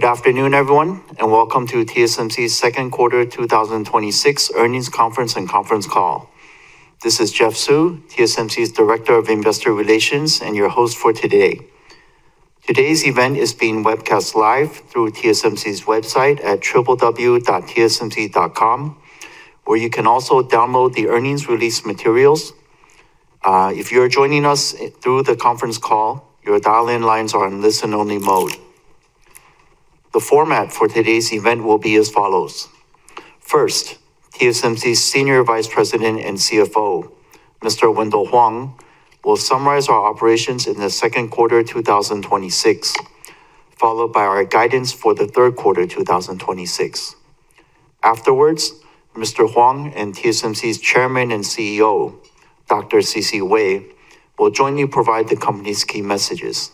Good afternoon, everyone, and welcome to TSMC's second quarter 2026 earnings conference and conference call. This is Jeff Su, TSMC's Director of Investor Relations and your host for today. Today's event is being webcast live through TSMC's website at www.tsmc.com, where you can also download the earnings release materials. If you're joining us through the conference call, your dial-in lines are in listen-only mode. The format for today's event will be as follows. First, TSMC's Senior Vice President and CFO, Mr. Wendell Huang, will summarize our operations in the second quarter 2026, followed by our guidance for the third quarter 2026. Afterwards, Mr. Huang and TSMC's Chairman and CEO, Dr. C.C. Wei, will jointly provide the company's key messages.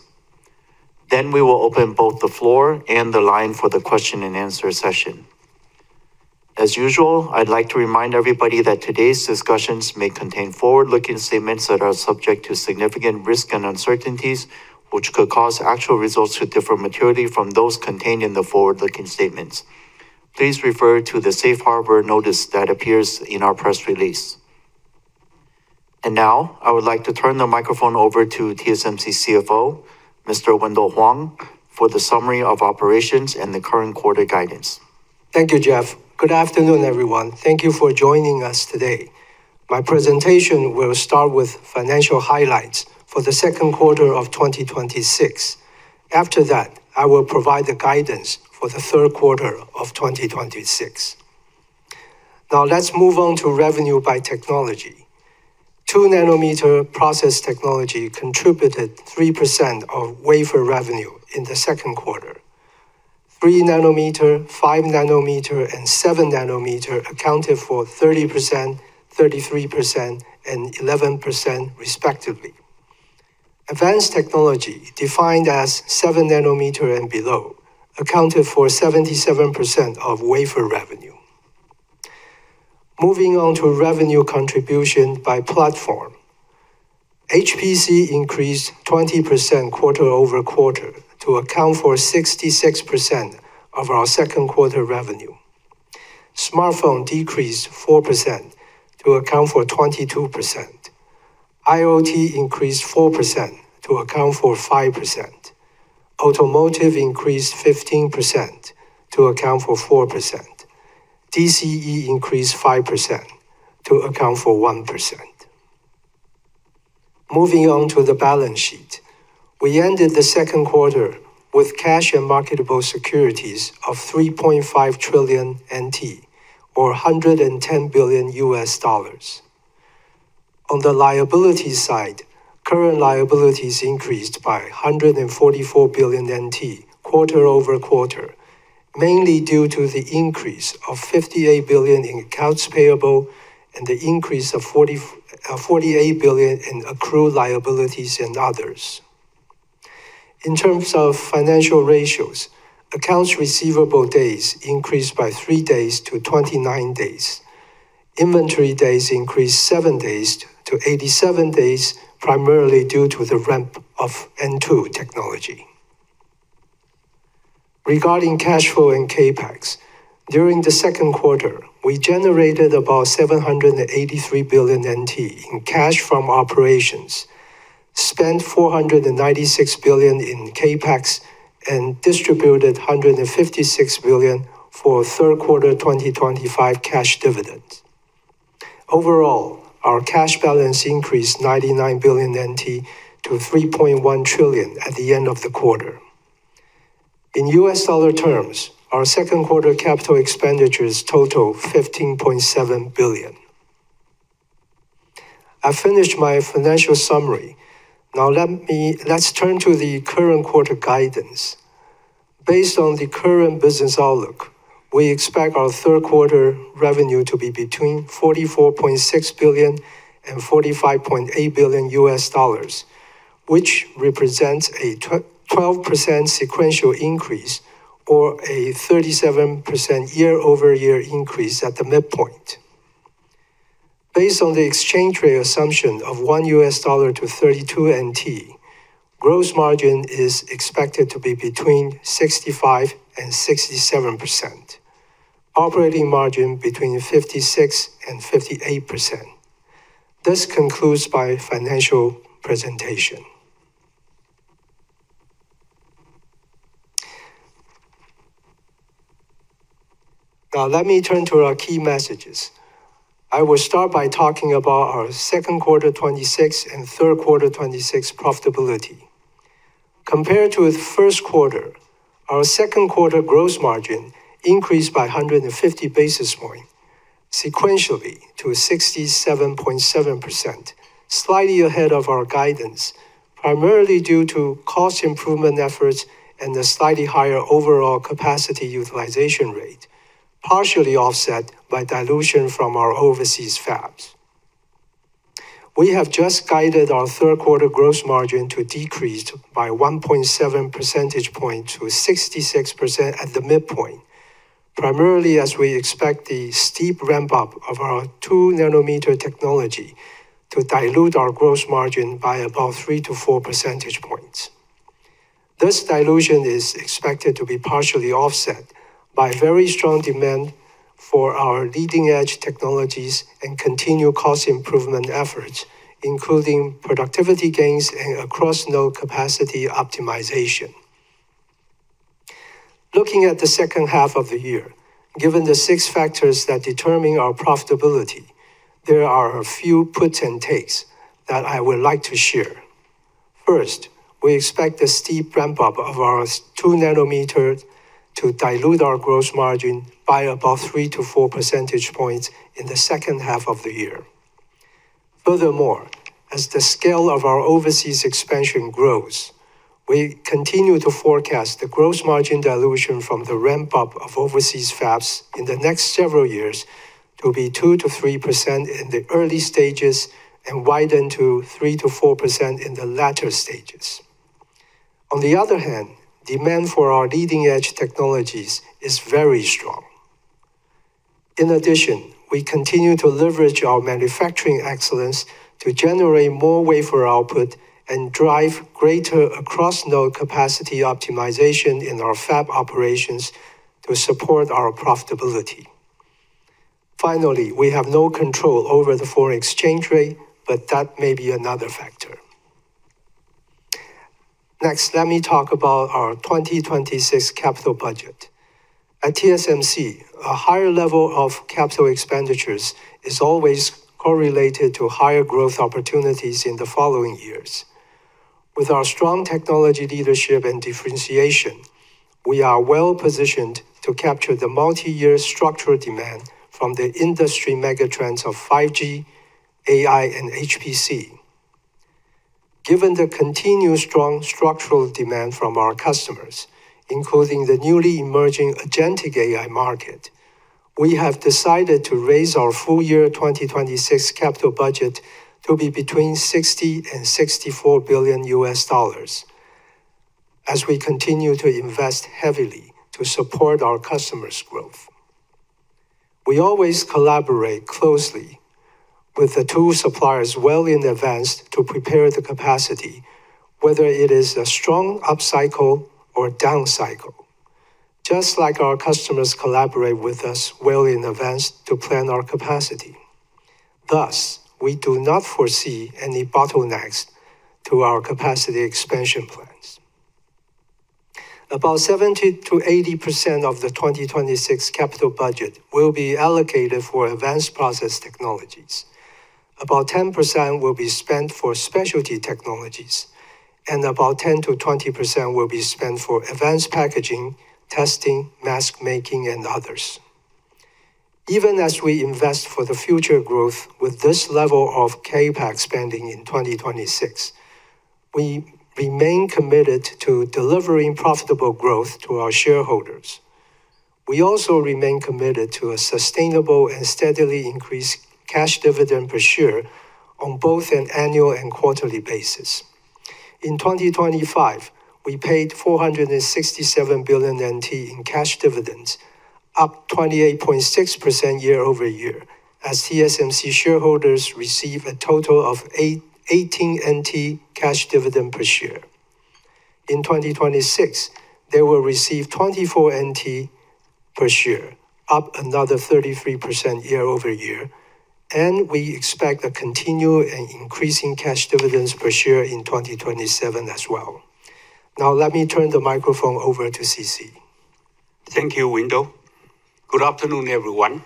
We will open both the floor and the line for the question and answer session. As usual, I'd like to remind everybody that today's discussions may contain forward-looking statements that are subject to significant risks and uncertainties, which could cause actual results to differ materially from those contained in the forward-looking statements. Please refer to the safe harbor notice that appears in our press release. Now, I would like to turn the microphone over to TSMC CFO, Mr. Wendell Huang, for the summary of operations and the current quarter guidance. Thank you, Jeff. Good afternoon, everyone. Thank you for joining us today. My presentation will start with financial highlights for the second quarter of 2026. After that, I will provide the guidance for the third quarter of 2026. Let's move on to revenue by technology. 2 nm process technology contributed 3% of wafer revenue in the second quarter. 3 nm, 5 nm, and 7 nm accounted for 30%, 33%, and 11% respectively. Advanced technology, defined as 7 nm and below, accounted for 77% of wafer revenue. Moving on to revenue contribution by platform. HPC increased 20% quarter-over-quarter to account for 66% of our second quarter revenue. Smartphone decreased 4% to account for 22%. IoT increased 4% to account for 5%. Automotive increased 15% to account for 4%. DCE increased 5% to account for 1%. Moving on to the balance sheet. We ended the second quarter with cash and marketable securities of 3.5 trillion NT, or $110 billion. On the liability side, current liabilities increased by 144 billion NT quarter-over-quarter, mainly due to the increase of 58 billion in accounts payable and the increase of 48 billion in accrued liabilities and others. In terms of financial ratios, accounts receivable days increased by three days to 29 days. Inventory days increased seven days to 87 days, primarily due to the ramp of N2 technology. Regarding cash flow and CapEx, during the second quarter, we generated about 783 billion NT in cash from operations, spent 496 billion in CapEx, and distributed 156 billion for third quarter 2025 cash dividends. Overall, our cash balance increased 99 billion NT to 3.1 trillion at the end of the quarter. In U.S. dollar terms, our second quarter capital expenditures total $15.7 billion. I finished my financial summary. Let's turn to the current quarter guidance. Based on the current business outlook, we expect our third quarter revenue to be between $44.6 billion and $45.8 billion, which represents a 12% sequential increase or a 37% year-over-year increase at the midpoint. Based on the exchange rate assumption of $1 to 32 NT, gross margin is expected to be between 65% and 67%. Operating margin between 56% and 58%. This concludes my financial presentation. Let me turn to our key messages. I will start by talking about our second quarter 2026 and third quarter 2026 profitability. Compared to the first quarter, our second quarter gross margin increased by 150 basis points sequentially to 67.7%, slightly ahead of our guidance, primarily due to cost improvement efforts and a slightly higher overall capacity utilization rate, partially offset by dilution from our overseas fabs. We have just guided our third quarter gross margin to decrease by 1.7 percentage point to 66% at the midpoint. Primarily as we expect the steep ramp-up of our 2 nm technology to dilute our gross margin by about 3 percentage points-4 percentage points. This dilution is expected to be partially offset by very strong demand for our leading-edge technologies and continued cost improvement efforts, including productivity gains and across-node capacity optimization. Looking at the second half of the year, given the six factors that determine our profitability, there are a few puts and takes that I would like to share. First, we expect the steep ramp-up of our 2 nm to dilute our gross margin by about 3 percentage points-4 percentage points in the second half of the year. As the scale of our overseas expansion grows, we continue to forecast the gross margin dilution from the ramp-up of overseas fabs in the next several years to be 2%-3% in the early stages and widen to 3%-4% in the latter stages. On the other hand, demand for our leading-edge technologies is very strong. In addition, we continue to leverage our manufacturing excellence to generate more wafer output and drive greater across-node capacity optimization in our fab operations to support our profitability. Finally, we have no control over the foreign exchange rate, but that may be another factor. Let me talk about our 2026 capital budget. At TSMC, a higher level of capital expenditures is always correlated to higher growth opportunities in the following years. With our strong technology leadership and differentiation, we are well-positioned to capture the multi-year structural demand from the industry megatrends of 5G, AI, and HPC. Given the continued strong structural demand from our customers, including the newly emerging agentic AI market, we have decided to raise our full year 2026 capital budget to be between $60 billion and $64 billion as we continue to invest heavily to support our customers' growth. We always collaborate closely with the tool suppliers well in advance to prepare the capacity, whether it is a strong upcycle or downcycle, just like our customers collaborate with us well in advance to plan our capacity. We do not foresee any bottlenecks to our capacity expansion plans. About 70%-80% of the 2026 capital budget will be allocated for advanced process technologies. About 10% will be spent for specialty technologies, and about 10%-20% will be spent for advanced packaging, testing, mask making, and others. Even as we invest for the future growth with this level of CapEx spending in 2026, we remain committed to delivering profitable growth to our shareholders. We also remain committed to a sustainable and steadily increased cash dividend per share on both an annual and quarterly basis. In 2025, we paid 467 billion NT in cash dividends, up 28.6% year-over-year, as TSMC shareholders receive a total of 18 NT cash dividend per share. In 2026, they will receive 24 NT per share, up another 33% year-over-year. We expect a continued and increasing cash dividends per share in 2027 as well. Now let me turn the microphone over to C.C. Thank you, Wendell. Good afternoon, everyone.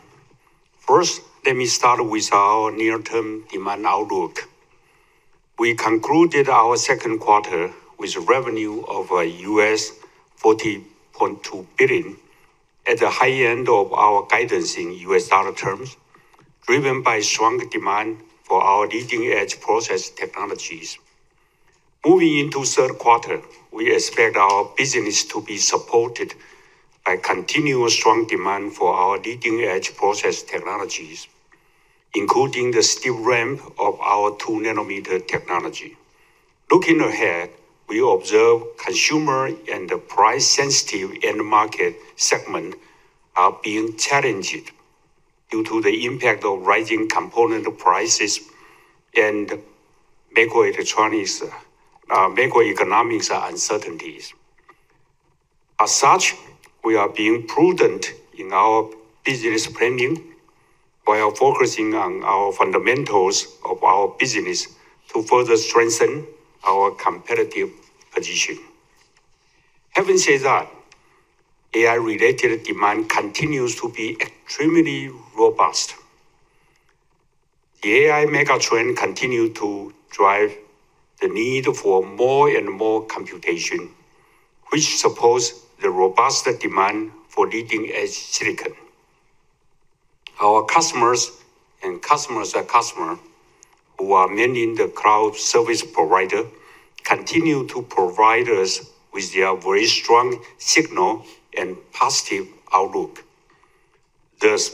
First, let me start with our near-term demand outlook. We concluded our second quarter with revenue of $40.2 billion at the high end of our guidance in U.S. dollar terms, driven by strong demand for our leading-edge process technologies. Moving into third quarter, we expect our business to be supported by continuous strong demand for our leading-edge process technologies, including the steep ramp of our 2 nm technology. Looking ahead, we observe consumer and the price-sensitive end market segment are being challenged due to the impact of rising component prices and macroeconomic uncertainties. As such, we are being prudent in our business planning while focusing on our fundamentals of our business to further strengthen our competitive position. Having said that, AI related demand continues to be extremely robust. The AI megatrend continue to drive the need for more and more computation, which supports the robust demand for leading-edge silicon. Our customers and customers' customer, who are mainly the cloud service provider, continue to provide us with their very strong signal and positive outlook. Thus,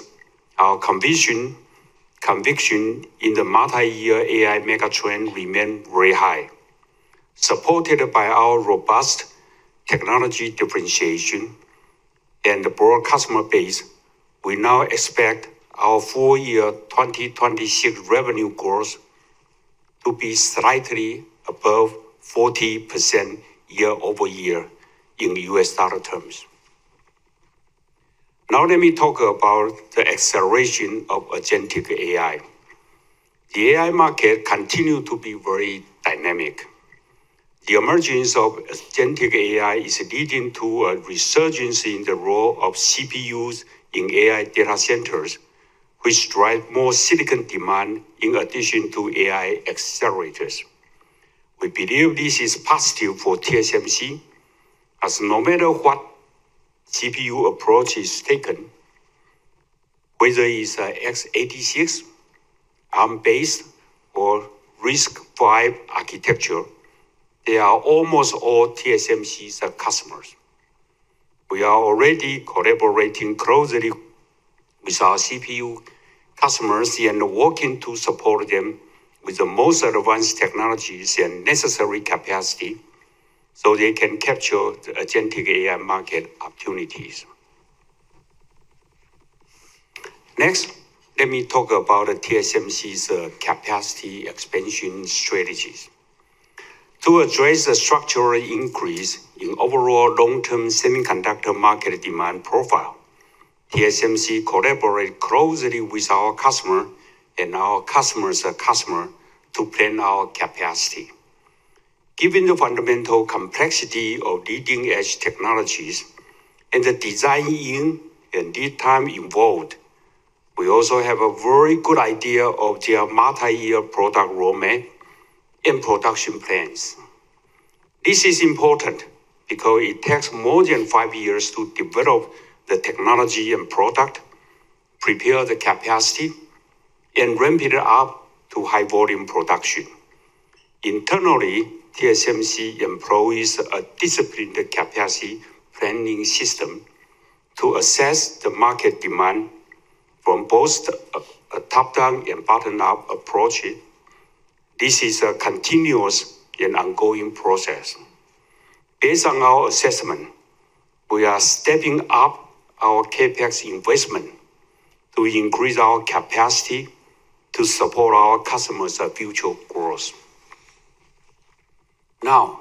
our conviction in the multi-year AI megatrend remains very high. Supported by our robust technology differentiation and broad customer base, we now expect our full year 2026 revenue growth to be slightly above 40% year-over-year in U.S. dollar terms. Let me talk about the acceleration of agentic AI. The AI market continue to be very dynamic. The emergence of agentic AI is leading to a resurgence in the role of CPUs in AI data centers, which drive more silicon demand in addition to AI accelerators. We believe this is positive for TSMC, as no matter what CPU approach is taken, whether it's a x86, Arm-based, or RISC-V architecture, they are almost all TSMC's customers. We are already collaborating closely with our CPU customers and working to support them with the most advanced technologies and necessary capacity so they can capture the agentic AI market opportunities. Let me talk about TSMC's capacity expansion strategies. To address the structural increase in overall long-term semiconductor market demand profile, TSMC collaborate closely with our customer and our customer's customer to plan our capacity. Given the fundamental complexity of leading-edge technologies and the design-in and lead time involved, we also have a very good idea of their multi-year product roadmap and production plans. This is important because it takes more than five years to develop the technology and product, prepare the capacity, and ramp it up to high volume production. Internally, TSMC employs a disciplined capacity planning system to assess the market demand from both a top-down and bottom-up approach. This is a continuous and ongoing process. Based on our assessment, we are stepping up our CapEx investment to increase our capacity to support our customers' future growth. With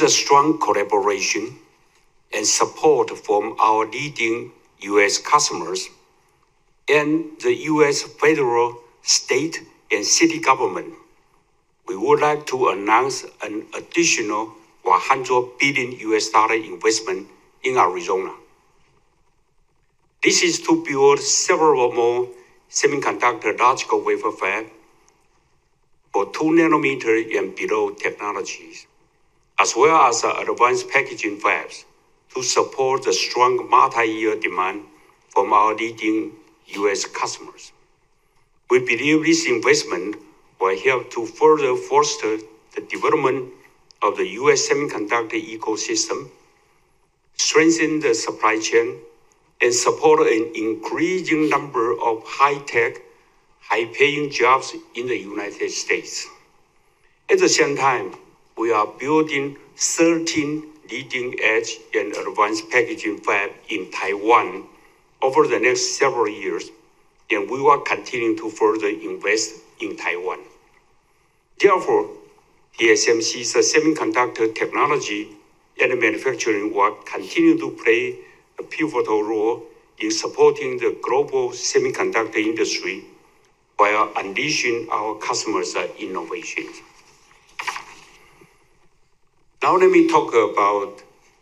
the strong collaboration and support from our leading U.S. customers and the U.S. federal, state, and city government, we would like to announce an additional $100 billion investment in Arizona. This is to build several more semiconductor logical wafer fab for 2 nm and below technologies, as well as advanced packaging fabs to support the strong multi-year demand from our leading U.S. customers. We believe this investment will help to further foster the development of the U.S. semiconductor ecosystem, strengthen the supply chain, and support an increasing number of high-tech, high-paying jobs in the United States. At the same time, we are building 13 leading-edge and advanced packaging fab in Taiwan over the next several years, and we will continue to further invest in Taiwan. Therefore, TSMC's semiconductor technology and manufacturing will continue to play a pivotal role in supporting the global semiconductor industry while unleashing our customers' innovations. Let me talk about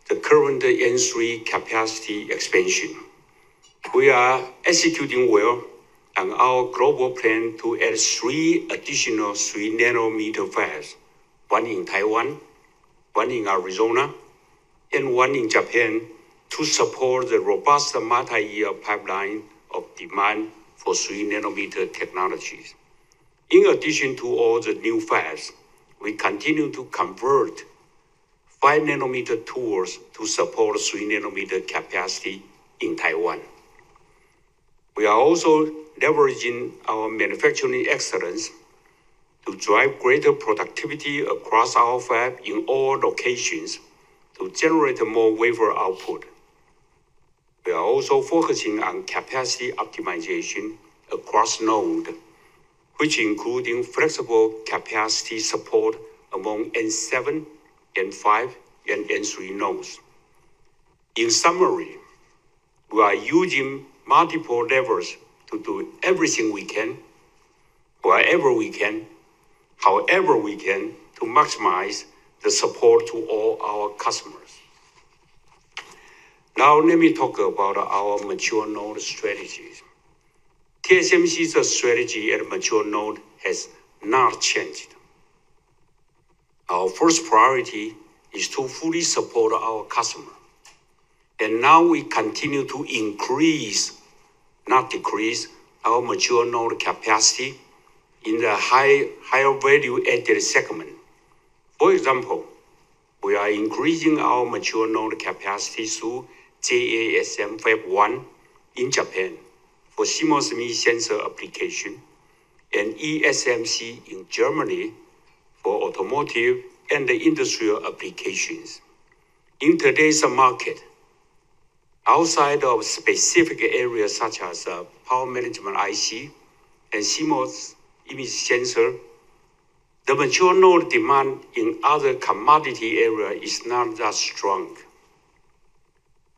the current N3 capacity expansion. We are executing well on our global plan to add three additional 3 nm fabs, one in Taiwan, one in Arizona, and one in Japan to support the robust multi-year pipeline of demand for 3 nm technologies. In addition to all the new fabs, we continue to convert 5 nm tools to support 3 nm capacity in Taiwan. We are also leveraging our manufacturing excellence to drive greater productivity across our fab in all locations to generate more wafer output. We are also focusing on capacity optimization across node, which including flexible capacity support among N7, N5, and N3 nodes. In summary, we are using multiple levers to do everything we can, wherever we can, however we can to maximize the support to all our customers. Let me talk about our mature node strategies. TSMC's strategy at mature node has not changed. Our first priority is to fully support our customer, we continue to increase, not decrease, our mature node capacity in the higher value added segment. For example, we are increasing our mature node capacity through JASM Fab 1 in Japan for CMOS image sensor application and ESMC in Germany for automotive and industrial applications. In today's market, outside of specific areas such as power management IC and CMOS image sensor, the mature node demand in other commodity areas is not as strong.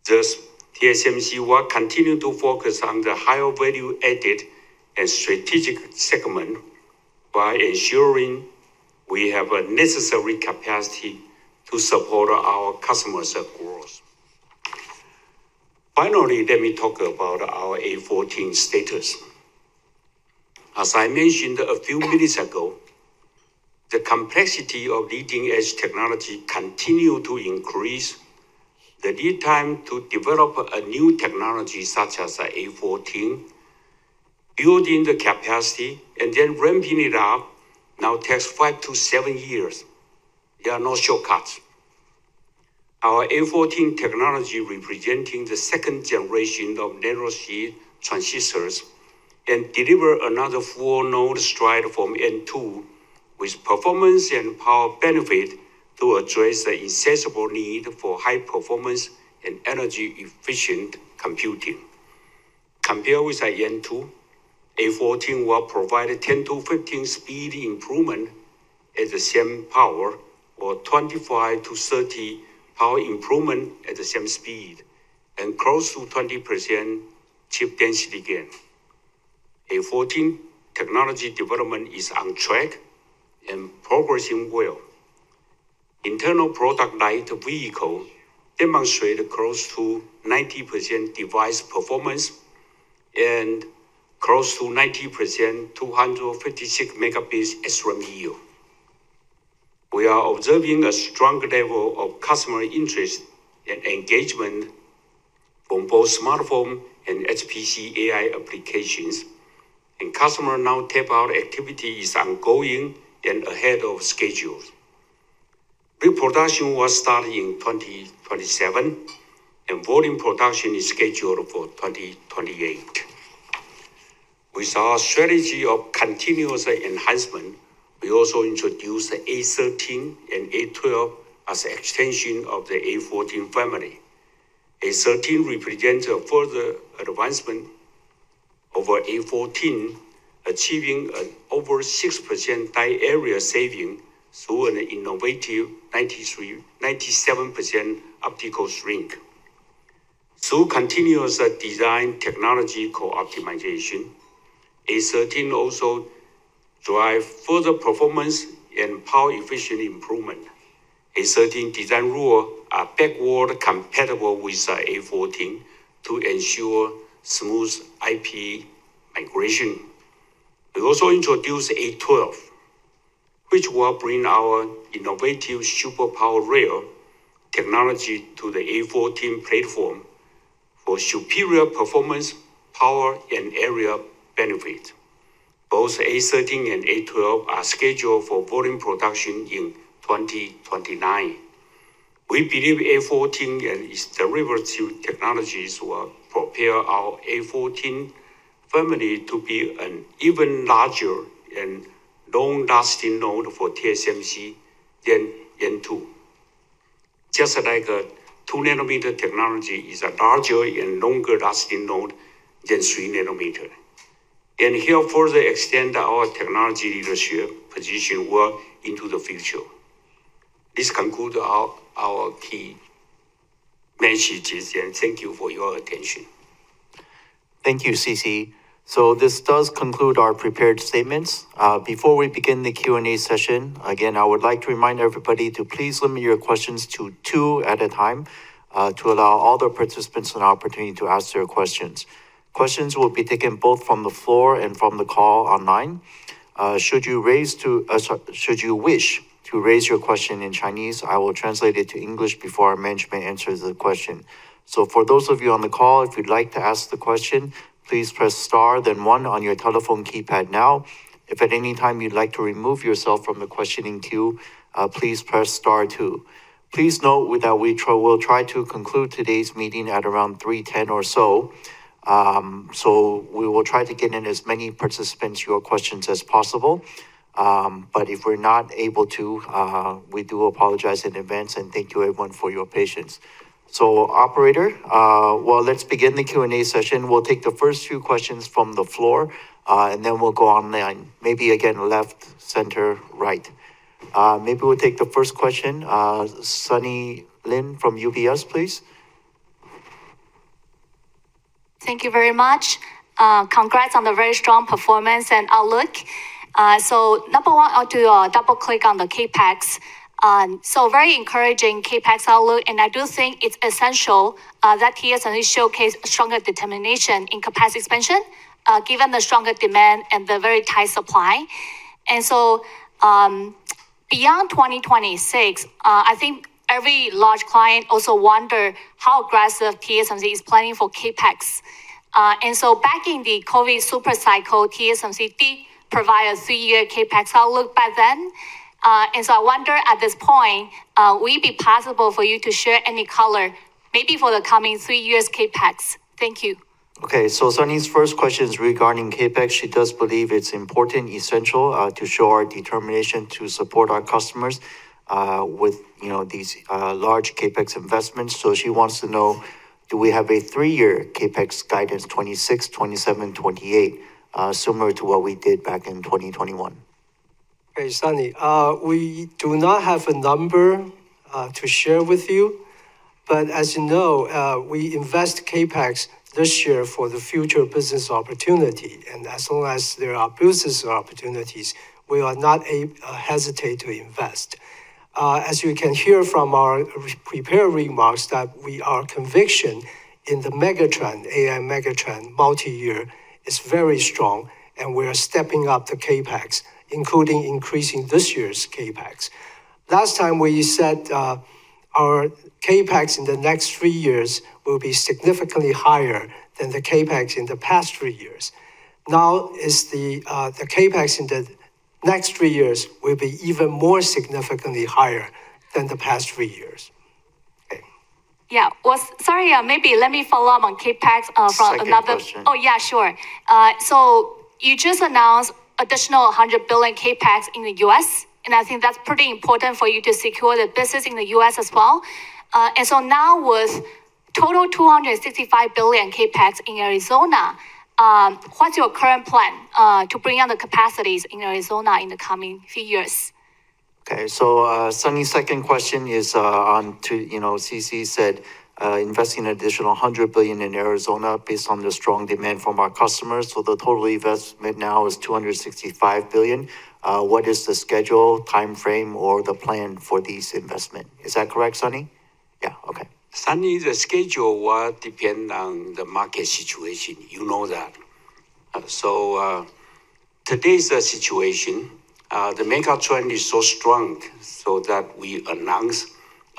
Thus, TSMC will continue to focus on the higher value-added and strategic segment by ensuring we have the necessary capacity to support our customers' growth. Let me talk about our A14 status. As I mentioned a few minutes ago, the complexity of leading-edge technology continues to increase. The lead time to develop a new technology such as A14, building the capacity, and then ramping it up now takes five to seven years. There are no shortcuts. Our A14 technology, representing the second generation of nanosheet transistors, and delivers another full node stride from N2 with performance and power benefit to address the incessant need for high-performance and energy-efficient computing. Compared with N2, A14 will provide a 10-15 speed improvement at the same power or 25-30 power improvement at the same speed and close to 20% chip density gain. A14 technology development is on track and progressing well. Internal product line vehicle demonstrate close to 90% device performance and close to 90% 256 Mb SRAM yield. We are observing a strong level of customer interest and engagement from both smartphone and HPC AI applications. Customer now tape-out activity is ongoing and ahead of schedule. Pre-production will start in 2027, and volume production is scheduled for 2028. With our strategy of continuous enhancement, we also introduce the A13 and A12 as an extension of the A14 family. A13 represents a further advancement over A14, achieving an over 6% die area saving through an innovative 97% optical shrink. Through continuous design technology co-optimization, A13 also drives further performance and power efficient improvement. A13 design rules are backward compatible with A14 to ensure smooth IP migration. We also introduce A12, which will bring our innovative Super Power Rail technology to the A14 platform for superior performance, power, and area benefit. Both A13 and A12 are scheduled for volume production in 2029. We believe A14 and its derivative technologies will prepare our A14 family to be an even larger and long-lasting node for TSMC than N2. Just like a 2 nm technology is a larger and longer-lasting node than 3 nm, here further extend our technology leadership position well into the future. This concludes our key messages, and thank you for your attention. Thank you, C.C. This does conclude our prepared statements. Before we begin the Q&A session, again, I would like to remind everybody to please limit your questions to two at a time to allow all the participants an opportunity to ask their questions. Questions will be taken both from the floor and from the call online. Should you wish to raise your question in Chinese, I will translate it to English before our management answers the question. For those of you on the call, if you'd like to ask the question, please press star then one on your telephone keypad now. If at any time you'd like to remove yourself from the questioning queue, please press star two. Please note that we will try to conclude today's meeting at around 3:10 P.M. or so. We will try to get in as many participants' questions as possible. If we're not able to, we do apologize in advance. Thank you everyone for your patience. Operator, well, let's begin the Q&A session. We'll take the first few questions from the floor. Then we'll go online. Maybe again, left, center, right. Maybe we'll take the first question. Sunny Lin from UBS, please. Thank you very much. Congrats on the very strong performance and outlook. Number one, I'll do a double click on the CapEx. Very encouraging CapEx outlook. I do think it's essential that TSMC showcase a stronger determination in capacity expansion, given the stronger demand and the very tight supply. Beyond 2026, I think every large client also wonders how aggressive TSMC is planning for CapEx. Back in the COVID super cycle, TSMC did provide a three-year CapEx outlook back then. I wonder at this point, will it be possible for you to share any color, maybe for the coming three years' CapEx? Thank you. Okay. Sunny's first question is regarding CapEx. She does believe it's important, essential, to show our determination to support our customers with these large CapEx investments. She wants to know, do we have a three-year CapEx guidance 2026, 2027, 2028, similar to what we did back in 2021? Okay, Sunny. We do not have a number to share with you, but as you know, we invest CapEx this year for the future business opportunity. As long as there are business opportunities, we will not hesitate to invest. As you can hear from our prepared remarks, that our conviction in the megatrend, AI megatrend, multi-year, is very strong, and we are stepping up the CapEx, including increasing this year's CapEx. Last time we said our CapEx in the next three years will be significantly higher than the CapEx in the past three years. The CapEx in the next three years will be even more significantly higher than the past three years. Okay. Yeah. Well, sorry, maybe let me follow up on CapEx from another- Second question. Oh, yeah, sure. You just announced additional $100 billion CapEx in the U.S., I think that's pretty important for you to secure the business in the U.S. as well. Now with total 265 billion CapEx in Arizona, what's your current plan to bring on the capacities in Arizona in the coming few years? Sunny's second question is on to, C.C. said, investing an additional $100 billion in Arizona based on the strong demand from our customers. The total investment now is 265 billion. What is the schedule, time frame, or the plan for this investment? Is that correct, Sunny? Yeah. Okay. Sunny, the schedule will depend on the market situation. You know that. Today's situation, the megatrend is so strong so that we announce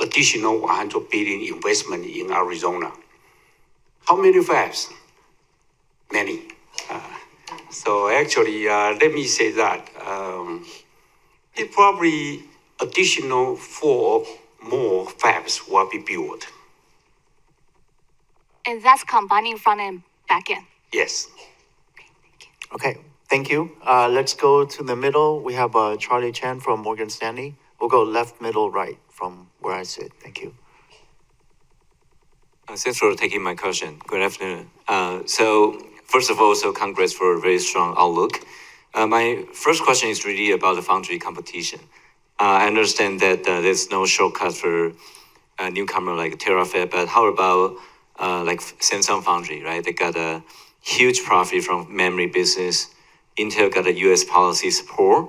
additional $100 billion investment in Arizona. How many fabs? Many. Actually, let me say that. It probably additional four more fabs will be built. That's combining front and back-end? Yes. Okay, thank you. Okay, thank you. Let's go to the middle. We have Charlie Chan from Morgan Stanley. We'll go left, middle, right from where I sit. Thank you. Thanks for taking my question. Good afternoon. First of all, congrats for a very strong outlook. My first question is really about the foundry competition. I understand that there's no shortcut for a newcomer like [TerraFirma], but how about Samsung Foundry, right? They got a huge profit from memory business. Intel got a U.S. policy support.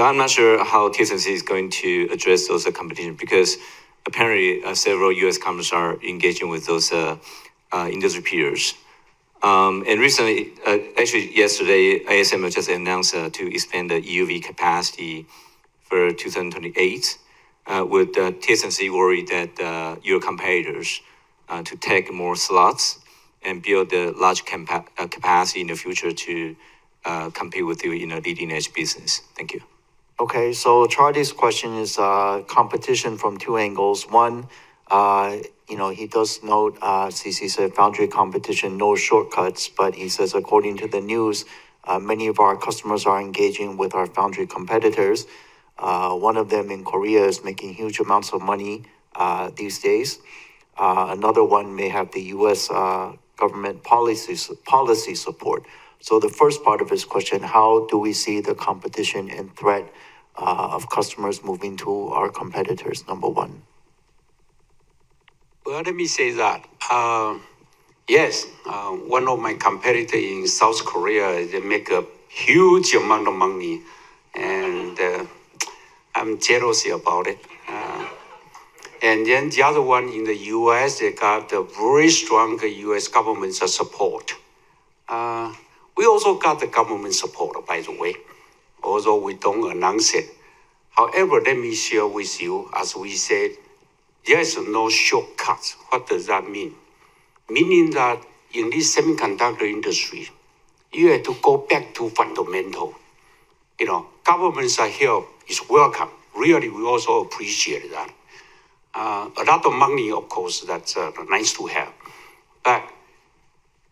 I'm not sure how TSMC is going to address those competition, because apparently, several U.S. companies are engaging with those industry peers. Recently, actually yesterday, ASML just announced to expand the EUV capacity for 2028. Would TSMC worry that your competitors to take more slots and build a large capacity in the future to compete with you in the leading-edge business? Thank you. Charlie's question is competition from two angles. One, he does note, C.C. said foundry competition, no shortcuts, but he says, according to the news, many of our customers are engaging with our foundry competitors. One of them in Korea is making huge amounts of money these days. Another one may have the U.S. government policy support. The first part of his question, how do we see the competition and threat of customers moving to our competitors, number one? Well, let me say that. Yes. One of my competitor in South Korea, they make a huge amount of money, and I'm jealousy about it. The other one in the U.S., they got a very strong U.S. government support. We also got the government support, by the way, although we don't announce it. However, let me share with you, as we said, there is no shortcuts. What does that mean? Meaning that in this semiconductor industry, you have to go back to fundamental. Government's help is welcome. Really, we also appreciate that. A lot of money, of course, that's nice to have.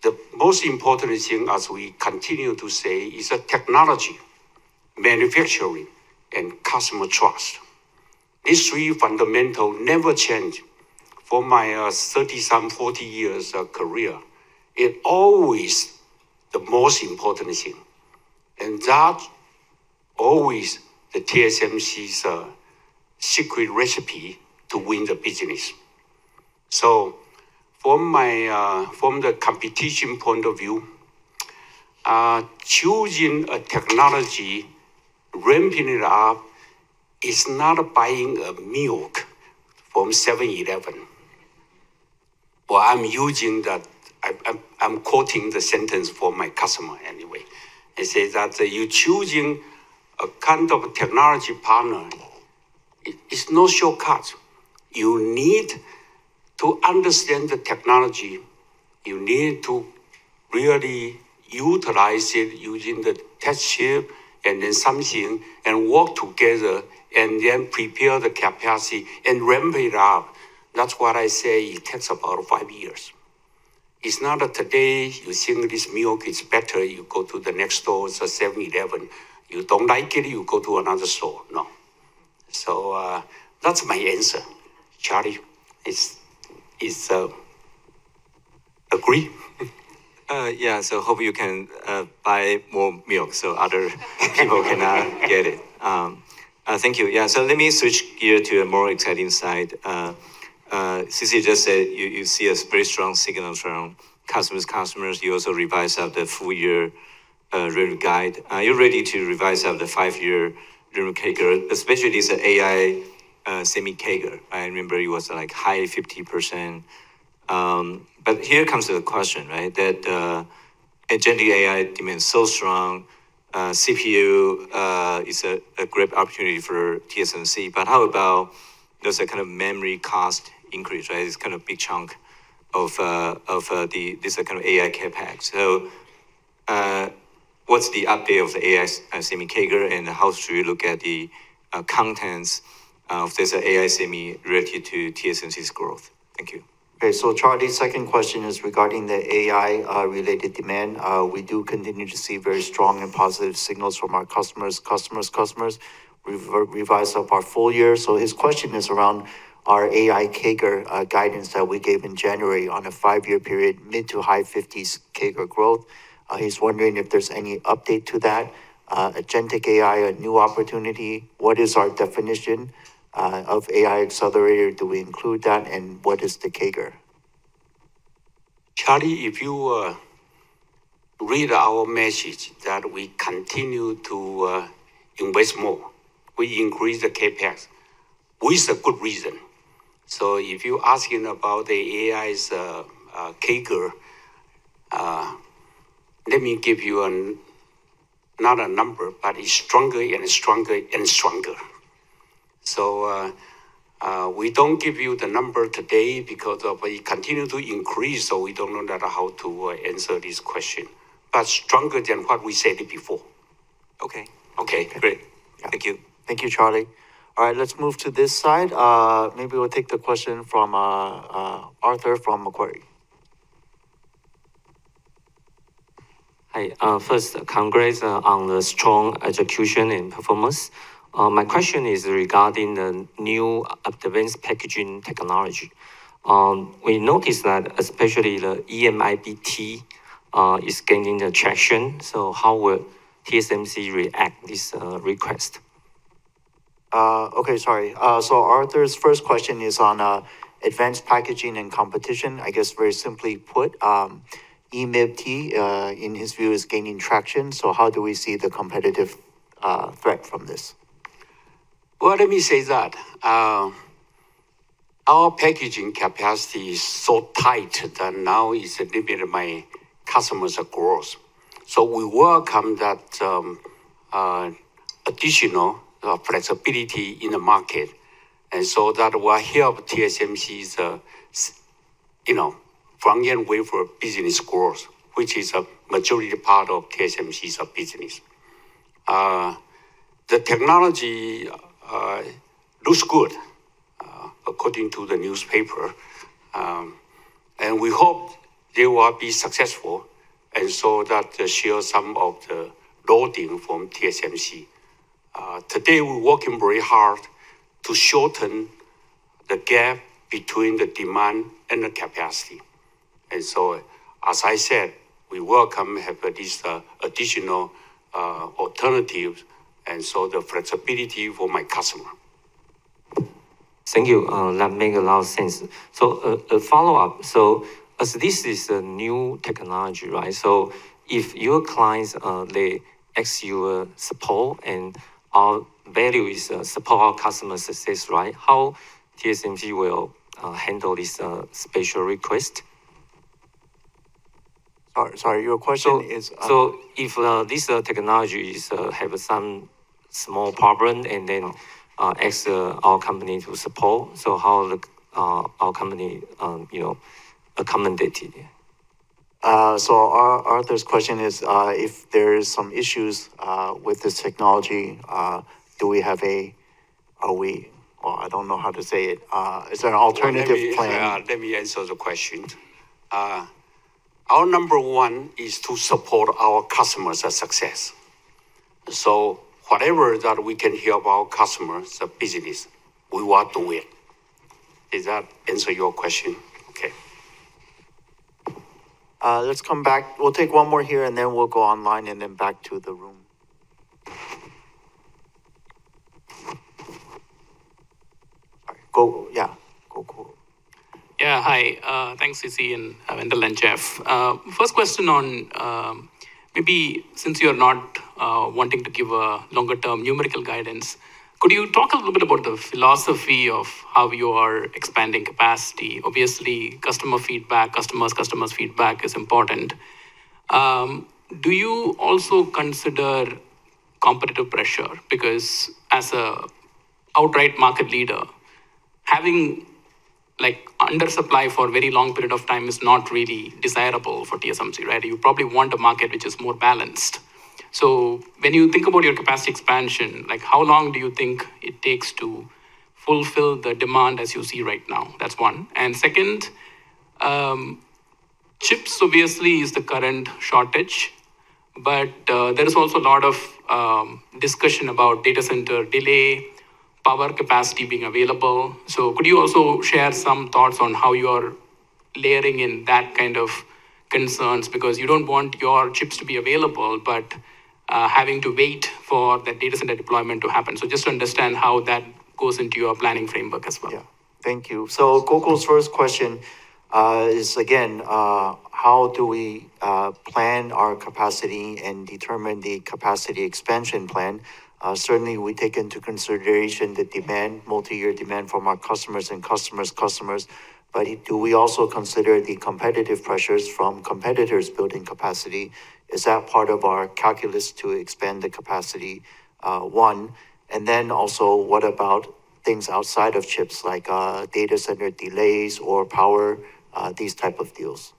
The most important thing, as we continue to say, is the technology, manufacturing, and customer trust. These three fundamental never change. For my 30-some, 40 years career, it always the most important thing. That always the TSMC's secret recipe to win the business. From the competition point of view, choosing a technology, ramping it up, is not buying a milk from 7-Eleven. Well, I'm quoting the sentence from my customer, anyway. It says that you're choosing a kind of technology partner. It is no shortcut. You need to understand the technology. You need to really utilize it using the test chip, and then something, and work together, and then prepare the capacity and ramp it up. That's why I say it takes about five years. It's not that today you think this milk is better, you go to the next store, it's a 7-Eleven. You don't like it, you go to another store. No. That's my answer. Charlie, is agree? Yeah. Hope you can buy more milk so other people can get it. Thank you. Yeah. Let me switch gear to a more exciting side. C.C. just said you see a very strong signal from customers. You also revised up the full-year revenue guide. Are you ready to revise up the five-year revenue CAGR, especially this AI semi CAGR? I remember it was high 50%. Here comes the question. That generative AI demand is so strong, CPU is a great opportunity for TSMC, but how about those memory cost increase? This big chunk of this AI CapEx. What's the update of the AI semi CAGR, and how should we look at the contents of this AI semi related to TSMC's growth? Thank you. Okay. Charlie, second question is regarding the AI-related demand. We do continue to see very strong and positive signals from our customers. We've revised up our full year. His question is around our AI CAGR guidance that we gave in January on a five-year period, mid to high 50% CAGR growth. He's wondering if there's any update to that. Agentic AI, a new opportunity, what is our definition of AI accelerator? Do we include that, and what is the CAGR? Charlie, if you read our message that we continue to invest more. We increase the CapEx with a good reason. If you asking about the AI's CAGR, let me give you not a number, but it's stronger and stronger. We don't give you the number today because it continue to increase, so we don't know how to answer this question. Stronger than what we said before. Okay. Okay. Great. Yeah. Thank you. Thank you, Charlie. All right. Let's move to this side. Maybe we'll take the question from Arthur from Macquarie. Hi. First, congrats on the strong execution and performance. My question is regarding the new advanced packaging technology. We noticed that especially the EMIB-T is gaining traction. How will TSMC react this request? Okay. Sorry. Arthur's first question is on advanced packaging and competition. I guess very simply put, EMIB-T, in his view, is gaining traction, how do we see the competitive threat from this? Well, let me say that our packaging capacity is so tight that now it's limiting my customers' growth. We welcome that additional flexibility in the market. That will help TSMC's front-end wafer business growth, which is a majority part of TSMC's business. The technology looks good, according to the newspaper. We hope they will be successful, that share some of the loading from TSMC. Today, we're working very hard to shorten the gap between the demand and the capacity. As I said, we welcome have this additional alternative, the flexibility for my customer. Thank you. That make a lot of sense. A follow-up. As this is a new technology, if your clients ask your support, and our value is support our customer success, how TSMC will handle this special request? Sorry, your question is- If these technologies have some small problem, and then ask our company to support, how our company accommodate it? Arthur's question is, if there is some issues with this technology, is there an alternative plan? Let me answer the question. Our number one is to support our customers' success. Whatever that we can help our customers' business, we want to win. Does that answer your question? Okay. Let's come back. We'll take one more here, and then we'll go online and then back to the room. All right. Yeah. Go, go. Yeah. Hi. Thanks C.C., and Wendell, and Jeff. First question on, maybe since you're not wanting to give a longer term numerical guidance, could you talk a little bit about the philosophy of how you are expanding capacity? Obviously, customer feedback, customers' feedback is important. Do you also consider competitive pressure? As an outright market leader, having under supply for a very long period of time is not really desirable for TSMC, right? You probably want a market which is more balanced. When you think about your capacity expansion, how long do you think it takes to fulfill the demand as you see right now? That's one. Second, chips obviously is the current shortage, but there is also a lot of discussion about data center delay, power capacity being available. Could you also share some thoughts on how you are layering in that kind of concerns? You don't want your chips to be available, but having to wait for the data center deployment to happen. Just to understand how that goes into your planning framework as well. Thank you. Gokul's first question is, again, how do we plan our capacity and determine the capacity expansion plan? Certainly, we take into consideration the demand, multi-year demand from our customers and customers' customers. Do we also consider the competitive pressures from competitors building capacity? Is that part of our calculus to expand the capacity, one. What about things outside of chips, like data center delays or power, these type of deals?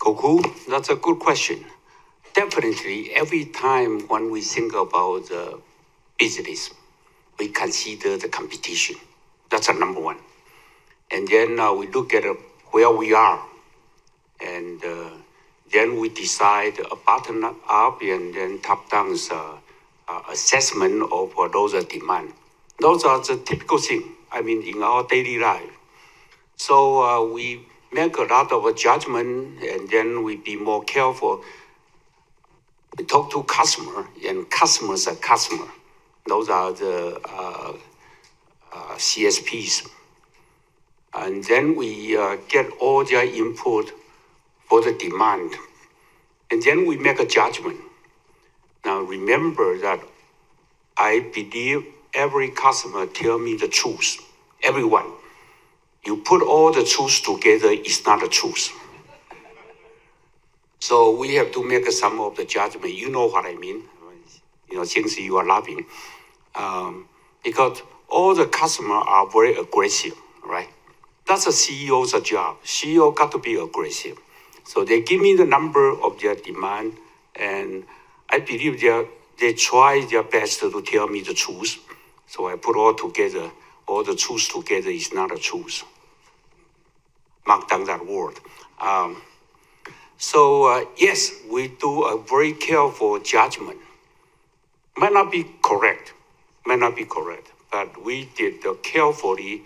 Gokul, that's a good question. Definitely, every time when we think about the business, we consider the competition. That's number one. We look at where we are, we decide a bottom-up, top-down assessment of those demand. Those are the typical thing, I mean, in our daily life. We make a lot of judgment, we be more careful. We talk to customer, and customer's customer. Those are the CSPs. We get all their input for the demand. We make a judgment. Now, remember that I believe every customer tell me the truth. Everyone. You put all the truths together, it's not the truth. We have to make some of the judgment, you know what I mean. Since you are laughing. Because all the customer are very aggressive, right? That's a CEO's job. CEO got to be aggressive. They give me the number of their demand, and I believe they try their best to tell me the truth. I put all together, all the truths together is not a truth. Mark down that word. Yes, we do a very careful judgment. Might not be correct. We did carefully,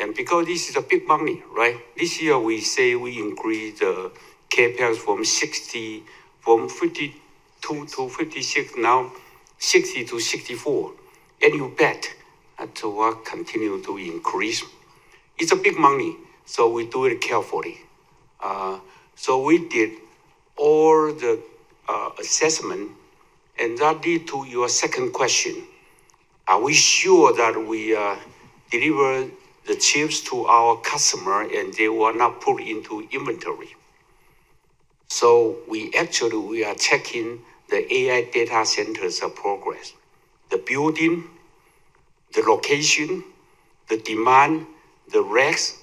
and because this is a big money, right? This year, we say we increase the CapEx from 52-56, now 60-64. You bet that will continue to increase. It's a big money, so we do it carefully. We did all the assessment, and that lead to your second question. Are we sure that we deliver the chips to our customer, and they will not put into inventory? Actually, we are checking the AI data centers of progress, the building, the location, the demand, the rest.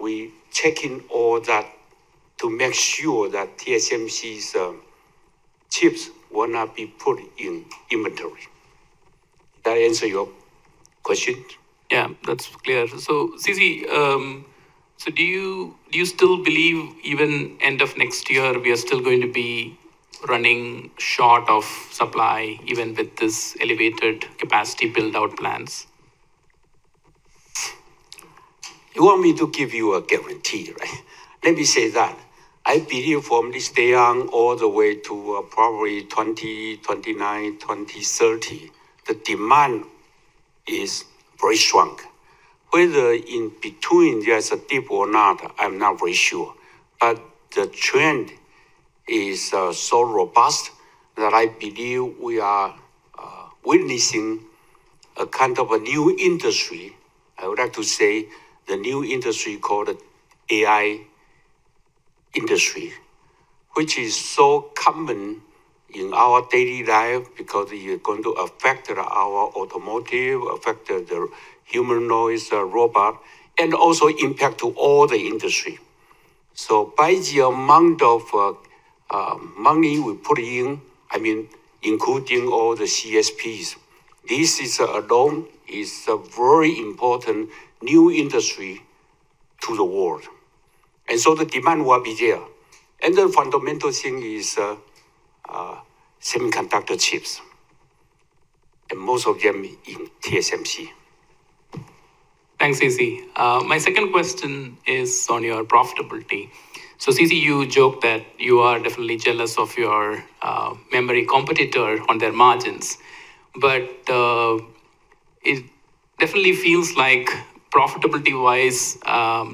We checking all that to make sure that TSMC's chips will not be put in inventory. That answer your question? Yeah. That's clear. C.C., do you still believe even end of next year, we are still going to be running short of supply even with this elevated capacity build-out plans? You want me to give you a guarantee, right? Let me say that I believe from this day on all the way to probably 2029, 2030, the demand is very strong. Whether in between there's a dip or not, I'm not very sure. The trend is so robust that I believe we are witnessing a kind of a new industry. I would like to say the new industry called AI industry, which is so common in our daily life because you're going to affect our automotive, affect the humanoids, robot, and also impact to all the industry. By the amount of money we put in, I mean, including all the CSPs, this alone is a very important new industry to the world. The demand will be there. The fundamental thing is semiconductor chips, and most of them in TSMC. Thanks, C.C. My second question is on your profitability. C.C., you joke that you are definitely jealous of your memory competitor on their margins, it definitely feels like profitability-wise,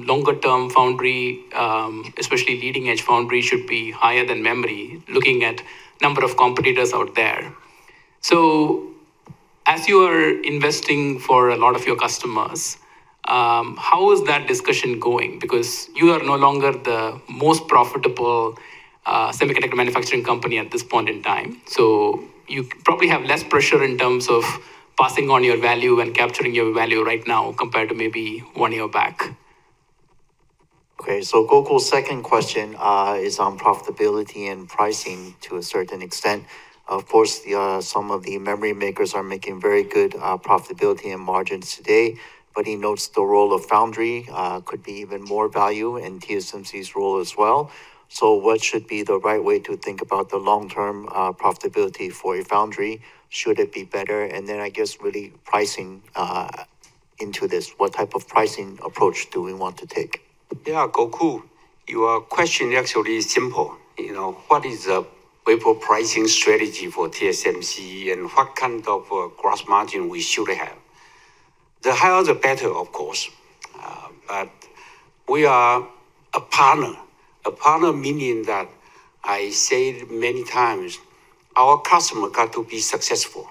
longer term foundry, especially leading-edge foundry, should be higher than memory, looking at number of competitors out there. As you are investing for a lot of your customers, how is that discussion going? Because you are no longer the most profitable semiconductor manufacturing company at this point in time. You probably have less pressure in terms of passing on your value and capturing your value right now compared to maybe one year back. Okay. Gokul's second question is on profitability and pricing to a certain extent. Of course, some of the memory makers are making very good profitability and margins today, he notes the role of foundry could be even more value, and TSMC's role as well. What should be the right way to think about the long-term profitability for a foundry? Should it be better? I guess really pricing into this, what type of pricing approach do we want to take? Yeah, Gokul, your question actually is simple. What is the wafer pricing strategy for TSMC, and what kind of gross margin we should have? The higher the better, of course. We are a partner, a partner meaning that I said many times, our customer got to be successful.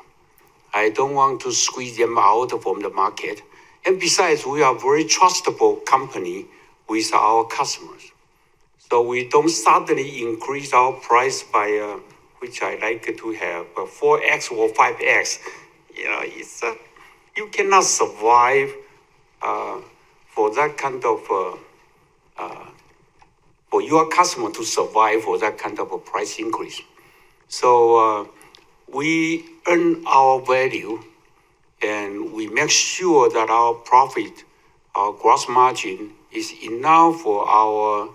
I don't want to squeeze them out from the market. Besides, we are very trustable company with our customers. We don't suddenly increase our price by, which I like to have, a 4x or 5x. For your customer to survive for that kind of a price increase. We earn our value, and we make sure that our profit, our gross margin, is enough for our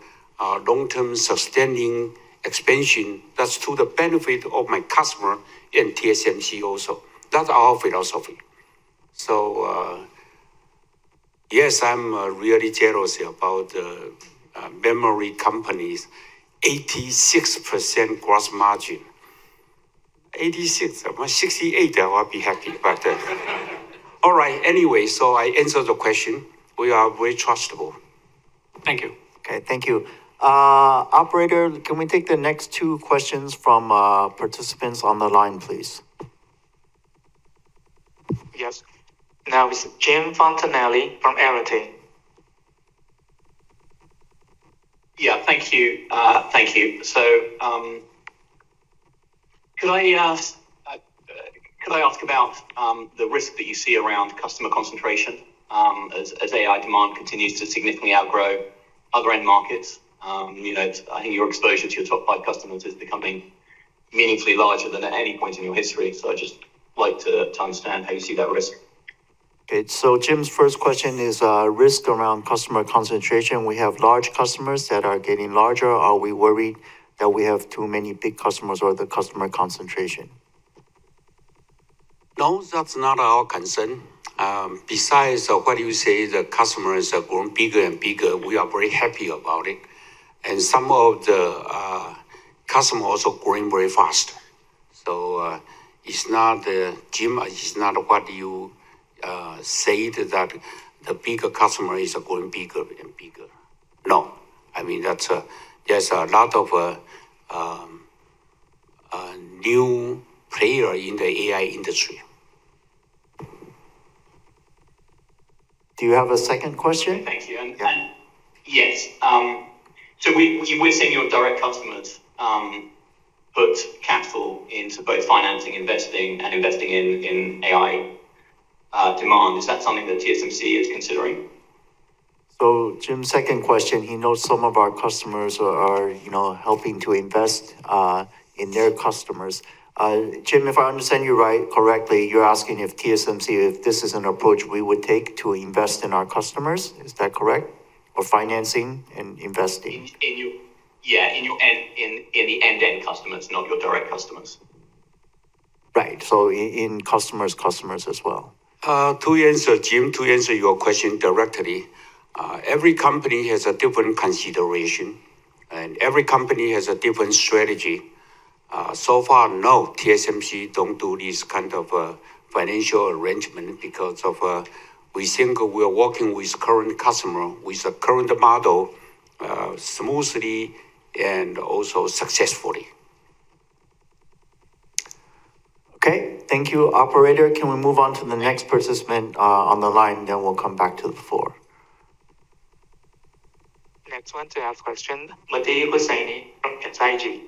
long-term sustaining expansion that's to the benefit of my customer and TSMC also. That's our philosophy. Yes, I'm really jealous about memory companies, 86% gross margin. 86%? About 68%, I would be happy about that. All right. Anyway, I answered the question. We are very trustable. Thank you. Okay, thank you. Operator, can we take the next two questions from participants on the line, please? Yes. Now it's Jim Fontanelli from Arete. Thank you. Could I ask about the risk that you see around customer concentration, as AI demand continues to significantly outgrow other end markets? I think your exposure to your top five customers is becoming meaningfully larger than at any point in your history. I'd just like to understand how you see that risk. Okay. Jim's first question is risk around customer concentration. We have large customers that are getting larger. Are we worried that we have too many big customers or the customer concentration? No, that's not our concern. Besides, what you say, the customers are growing bigger and bigger, we are very happy about it. Some of the customer also growing very fast. Jim, it's not what you said that the bigger customer is growing bigger and bigger. No. There's a lot of new player in the AI industry. Do you have a second question? Thank you. Yes. We're seeing your direct customers put capital into both financing, and investing in AI demand. Is that something that TSMC is considering? Jim's second question, he knows some of our customers are helping to invest in their customers. Jim, if I understand you correctly, you're asking if TSMC, this is an approach we would take to invest in our customers. Is that correct? Or financing and investing. Yeah. In the end customers, not your direct customers. Right. In customer's customers as well. To answer, Jim, to answer your question directly, every company has a different consideration, and every company has a different strategy. So far, no, TSMC don't do this kind of financial arrangement because of we think we are working with current customer with the current model smoothly and also successfully. Okay. Thank you. Operator, can we move on to the next participant on the line, then we'll come back to the floor. Next one to ask question, Mehdi Hosseini from SIG.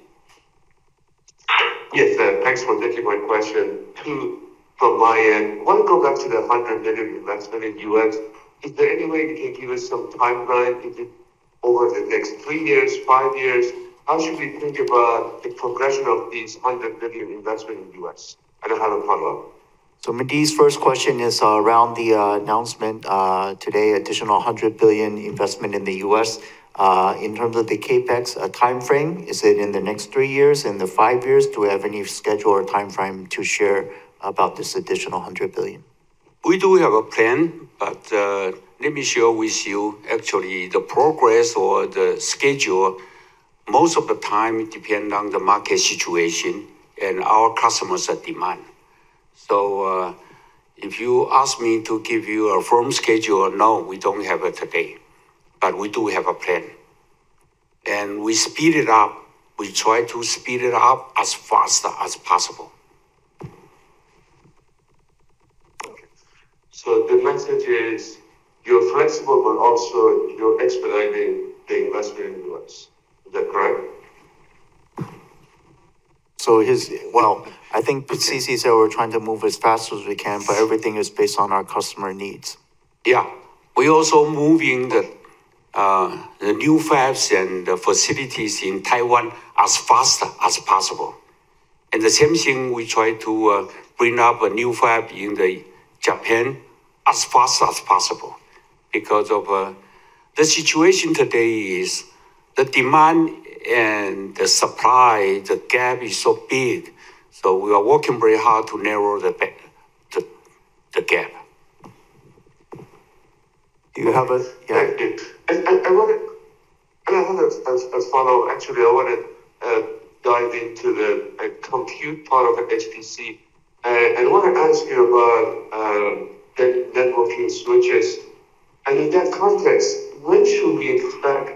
Yes. Thanks for taking my question. I want to go back to the $100 billion investment in the U.S. Is there any way you can give us some timeline? Is it over the next three years, five years? How should we think about the progression of this $100 billion investment in the U.S.? I have a follow-up. Mehdi's first question is around the announcement today, additional $100 billion investment in the U.S. In terms of the CapEx timeframe, is it in the next three years, in the five years? Do we have any schedule or timeframe to share about this additional $100 billion? We do have a plan, but let me share with you actually the progress or the schedule. Most of the time, it depends on the market situation and our customers' demand. If you ask me to give you a firm schedule, no, we don't have it today, but we do have a plan. We speed it up. We try to speed it up as fast as possible. Okay. The message is, you're flexible, but also you're expediting the investment in the U.S. Is that correct? I think C.C. said we're trying to move as fast as we can, but everything is based on our customer needs. We're also moving the new fabs and the facilities in Taiwan as fast as possible. The same thing, we try to bring up a new fab in Japan as fast as possible. The situation today is the demand and the supply, the gap is so big, so we are working very hard to narrow the gap. Do you have? Thank you. I want to as a follow-up, actually, I want to dive into the compute part of the HPC, and I want to ask you about the networking switches. In that context, when should we expect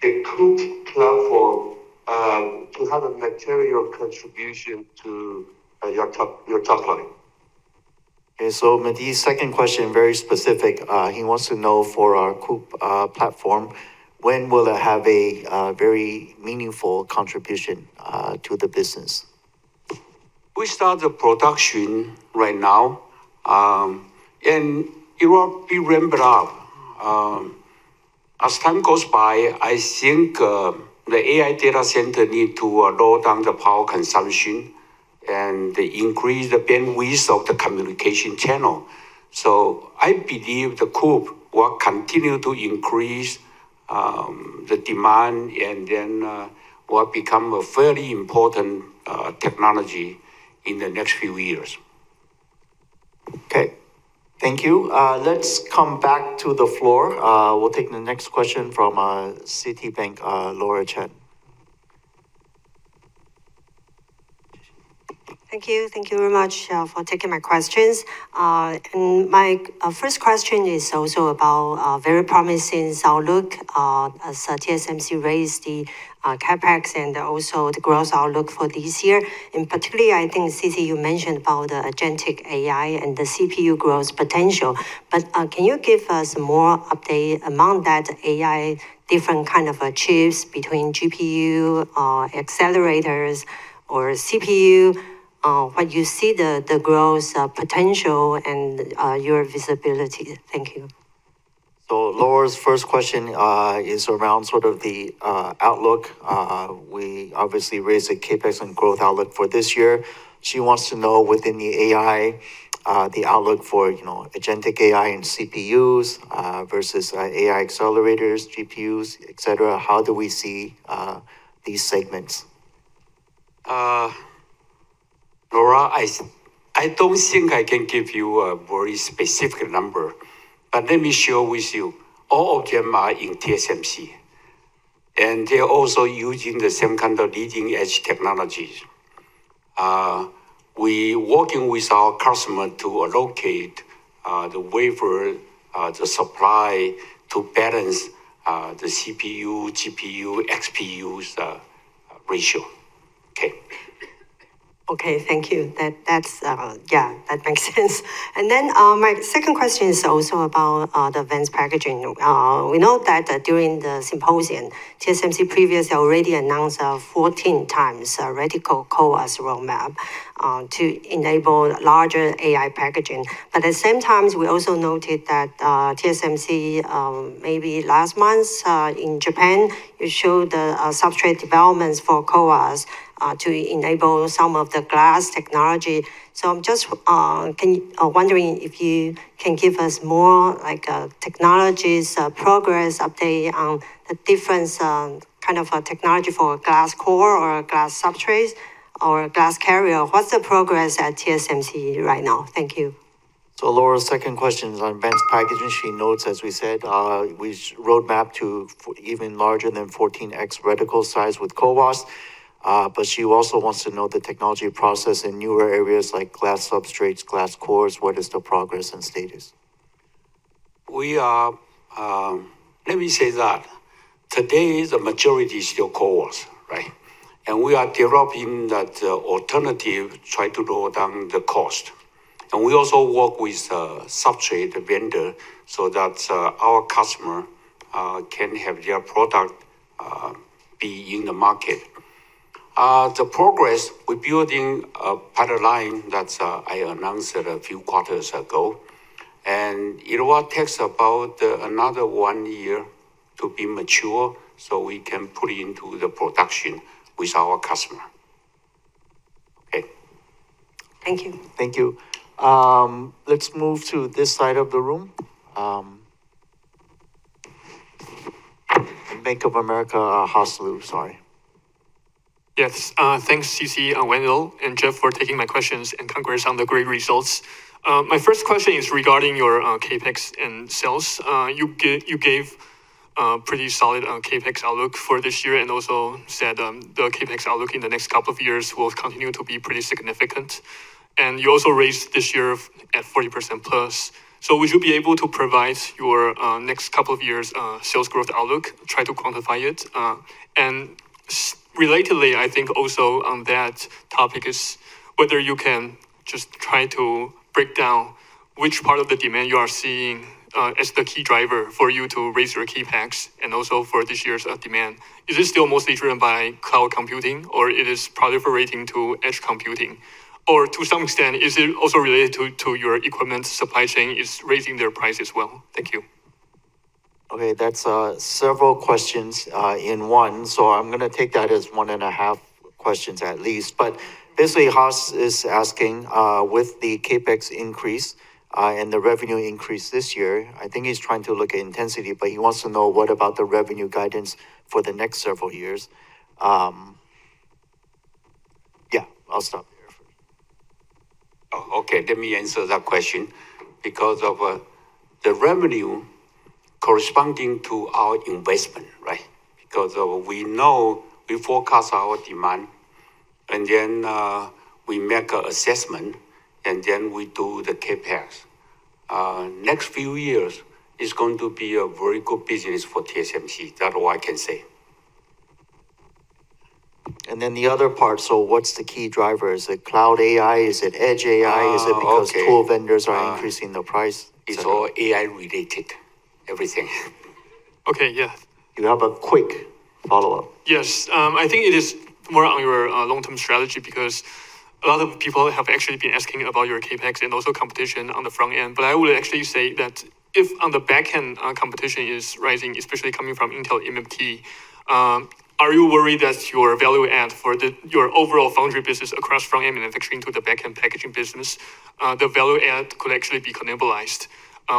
the COUPE platform to have a material contribution to your top line? Okay, Mehdi's second question, very specific. He wants to know for our COUPE platform, when will it have a very meaningful contribution to the business? We start the production right now, and it will be ramped up. As time goes by, I think the AI data center need to lower down the power consumption and increase the bandwidth of the communication channel. I believe the COUPE will continue to increase the demand, and then will become a very important technology in the next few years. Okay. Thank you. Let's come back to the floor. We'll take the next question from Citibank, Laura Chen. Thank you. Thank you very much for taking my questions. My first question is also about very promising outlook as TSMC raised the CapEx and also the growth outlook for this year. Particularly, I think, C.C., you mentioned about the agentic AI and the CPU growth potential. Can you give us more update among that AI, different kind of chips between GPU, accelerators, or CPU? What you see the growth potential and your visibility? Thank you. Laura's first question is around sort of the outlook. We obviously raised the CapEx and growth outlook for this year. She wants to know within the AI, the outlook for agentic AI and CPUs versus AI accelerators, GPUs, et cetera. How do we see these segments? Laura, I don't think I can give you a very specific number, but let me share with you, all of them are in TSMC, and they're also using the same kind of leading-edge technologies. We working with our customer to allocate the wafer, the supply, to balance the CPU, GPU, XPUs ratio. Okay. Okay. Thank you. That makes sense. My second question is also about the advanced packaging. We know that during the symposium, TSMC previously already announced a 14x reticle CoWoS roadmap to enable larger AI packaging. At the same time, we also noted that TSMC, maybe last month in Japan, you showed the substrate developments for CoWoS to enable some of the glass technology. I'm just wondering if you can give us more technologies progress update on the different kind of technology for glass core or glass substrates or glass carrier. What's the progress at TSMC right now? Thank you. Laura's second question is on advanced packaging. She notes, as we said, we roadmap to even larger than 14x reticle size with CoWoS. She also wants to know the technology process in newer areas like glass substrates, glass cores. What is the progress and status? Let me say that today, the majority is still CoWoS, right? We are developing that alternative, try to lower down the cost. We also work with a substrate vendor so that our customer can have their product be in the market. The progress, we're building a pilot line that I announced a few quarters ago, and it will take about another one year to be mature so we can put it into the production with our customer. Okay. Thank you. Thank you. Let's move to this side of the room. Bank of America, Haas Liu. Sorry. Yes. Thanks, C.C., Wendell, and Jeff for taking my questions, and congrats on the great results. My first question is regarding your CapEx and sales. You gave a pretty solid CapEx outlook for this year, also said the CapEx outlook in the next couple of years will continue to be pretty significant. You also raised this year at 40%+. Would you be able to provide your next couple of years' sales growth outlook, try to quantify it? Relatedly, I think also on that topic is whether you can just try to break down which part of the demand you are seeing as the key driver for you to raise your CapEx and also for this year's demand. Is this still mostly driven by cloud computing, or it is proliferating to edge computing? To some extent, is it also related to your equipment supply chain is raising their price as well? Thank you. Okay. That's several questions in one. I'm going to take that as one and a half questions at least. Basically, Haas is asking, with the CapEx increase and the revenue increase this year, I think he's trying to look at intensity, but he wants to know what about the revenue guidance for the next several years. Yeah, I'll stop there for now. Okay. Let me answer that question. Because of the revenue corresponding to our investment, right? We know, we forecast our demand, and then we make an assessment, and then we do the CapEx. Next few years is going to be a very good business for TSMC. That's all I can say. The other part, what's the key driver? Is it cloud AI? Is it edge AI? Oh, okay. Is it because tool vendors are increasing the price? It's all AI related. Everything. Okay. Yeah. You have a quick follow-up? Yes. I think it is more on your long-term strategy because a lot of people have actually been asking about your CapEx and also competition on the front end. I would actually say that if on the back end competition is rising, especially coming from Intel EMIB-T, are you worried that your value add for your overall foundry business across front-end manufacturing to the back-end packaging business, the value add could actually be cannibalized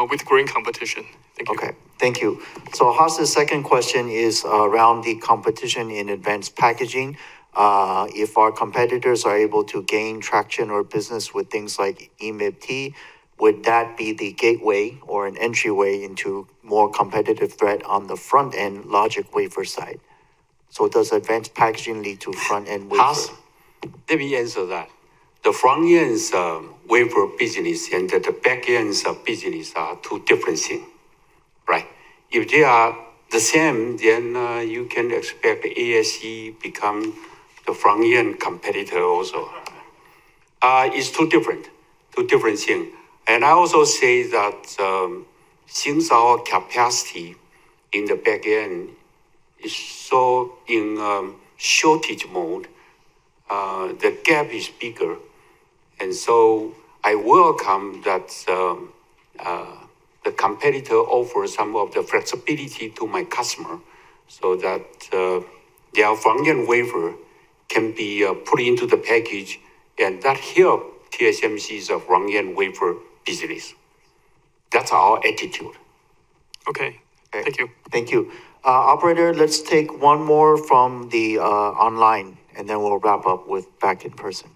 with growing competition? Thank you. Okay. Thank you. Haas's second question is around the competition in advanced packaging. If our competitors are able to gain traction or business with things like EMIB-T, would that be the gateway or an entryway into more competitive threat on the front-end logic wafer side? Does advanced packaging lead to front-end wafer? Haas, let me answer that. The front end's wafer business and the back end's business are two different things, right? If they are the same, you can expect ASE become the front-end competitor also. It's two different things. I also say that since our capacity in the back end is so in shortage mode, the gap is bigger. I welcome that the competitor offers some of the flexibility to my customer so that their front-end wafer can be put into the package, and that help TSMC's front-end wafer business. That's our attitude. Okay. Thank you. Thank you. Operator, let's take one more from the online, and then we'll wrap up with back in person.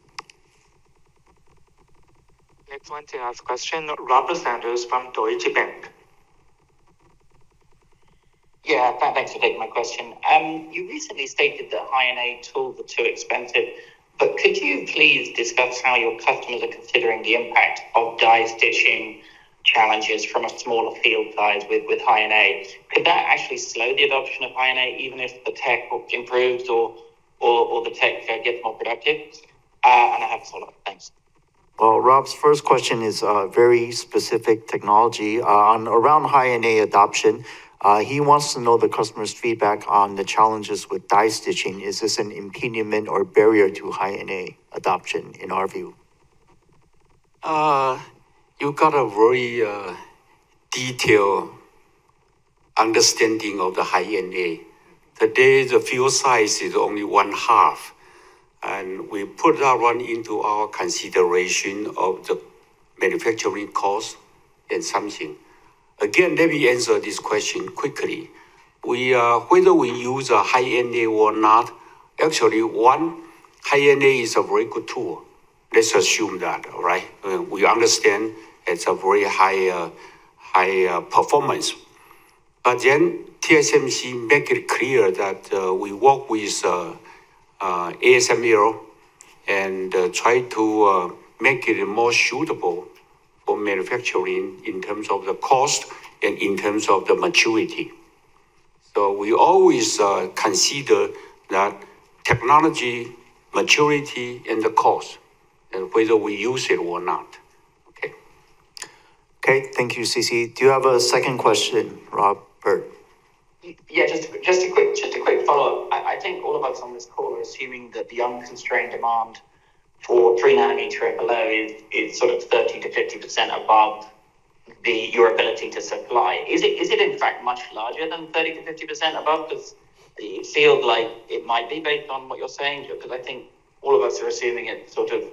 Next one to ask question, Robert Sanders from Deutsche Bank. Yeah. Thanks for taking my question. You recently stated that High-NA tools were too expensive, but could you please discuss how your customers are considering the impact of die stitching challenges from a smaller field size with High-NA? Could that actually slow the adoption of High-NA even if the tech improves or the tech gets more productive? I have a follow-up. Thanks. Rob's first question is a very specific technology around High-NA adoption. He wants to know the customer's feedback on the challenges with die stitching. Is this an impediment or barrier to High-NA adoption in our view? You got a very detailed understanding of the High-NA. Today, the field size is only one half, we put that one into our consideration of the manufacturing cost and something. Let me answer this question quickly. Whether we use a High-NA or not, actually, one, High-NA is a very good tool. Let's assume that, all right? We understand it's a very high performance. TSMC make it clear that we work with ASML and try to make it more suitable for manufacturing in terms of the cost and in terms of the maturity. We always consider that technology maturity and the cost, and whether we use it or not. Okay. Okay. Thank you, C.C. Do you have a second question, Robert? Just a quick follow-up. I think all of us on this call are assuming that the unconstrained demand for 3 nm and below is sort of 30%-50% above your ability to supply. Is it in fact much larger than 30%-50% above? It feels like it might be based on what you're saying here, because I think all of us are assuming it sort of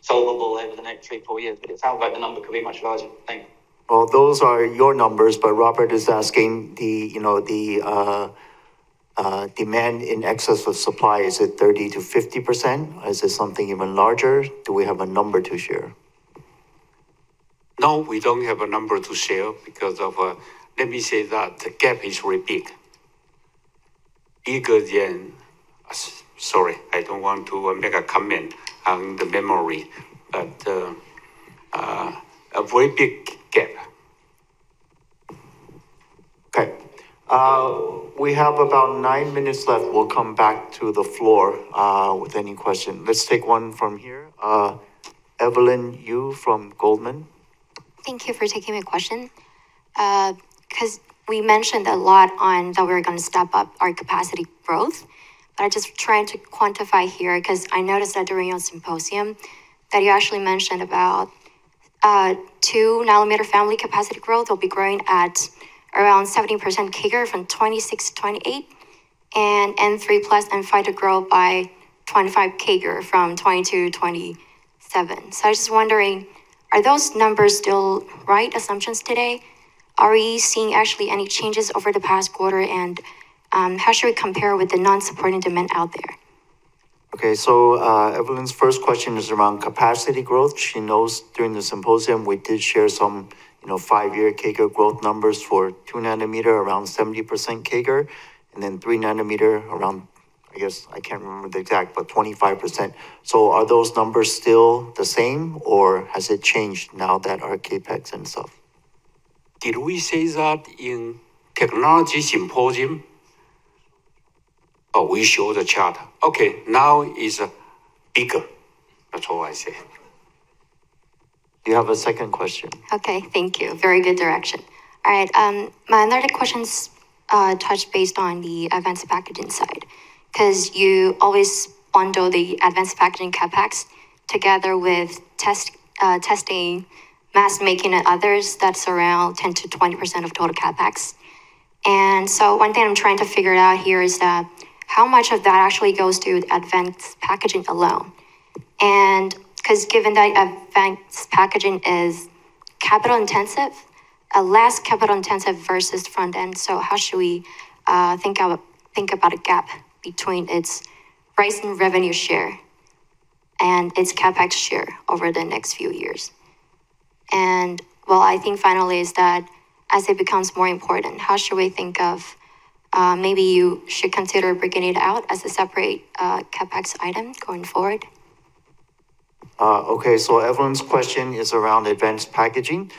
solvable over the next three, four years. It sounds like the number could be much larger. Thanks. Well, those are your numbers. Robert is asking the demand in excess of supply, is it 30%-50%? Is it something even larger? Do we have a number to share? No, we don't have a number to share. Let me say that the gap is very big. Sorry, I don't want to make a comment on the memory, a very big gap. Okay. We have about nine minutes left. We'll come back to the floor with any question. Let's take one from here. Evelyn Yu from Goldman. Thank you for taking my question. We mentioned a lot on that we're going to step up our capacity growth. I'm just trying to quantify here. I noticed that during your symposium that you actually mentioned about 2 nm family capacity growth will be growing at around 70% CAGR from 2026 to 2028, N3 plus and N5 to grow by 25% CAGR from 2022 to 2027. I was just wondering, are those numbers still right assumptions today? Are we seeing actually any changes over the past quarter? How should we compare with the non-supporting demand out there? Okay. Evelyn's first question is around capacity growth. She knows during the Symposium, we did share some five-year CAGR growth numbers for 2 nm, around 70% CAGR, and then 3 nm around, I can't remember the exact, but 25%. Are those numbers still the same, or has it changed now that our CapEx and stuff? Did we say that in Technology Symposium? Oh, we show the chart. Okay, now is bigger. That's all I say. You have a second question. Okay, thank you. Very good direction. All right. My other questions touch base on the advanced packaging side. You always bundle the advanced packaging CapEx together with testing, mask making, and others. That's around 10%-20% of total CapEx. One thing I'm trying to figure out here is that how much of that actually goes to advanced packaging alone? Given that advanced packaging is capital intensive, less capital intensive versus front-end, how should we think about a gap between its price and revenue share and its CapEx share over the next few years? What I think finally is that as it becomes more important, how should we think of, maybe you should consider breaking it out as a separate CapEx item going forward? Okay. Evelyn's question is around advanced packaging.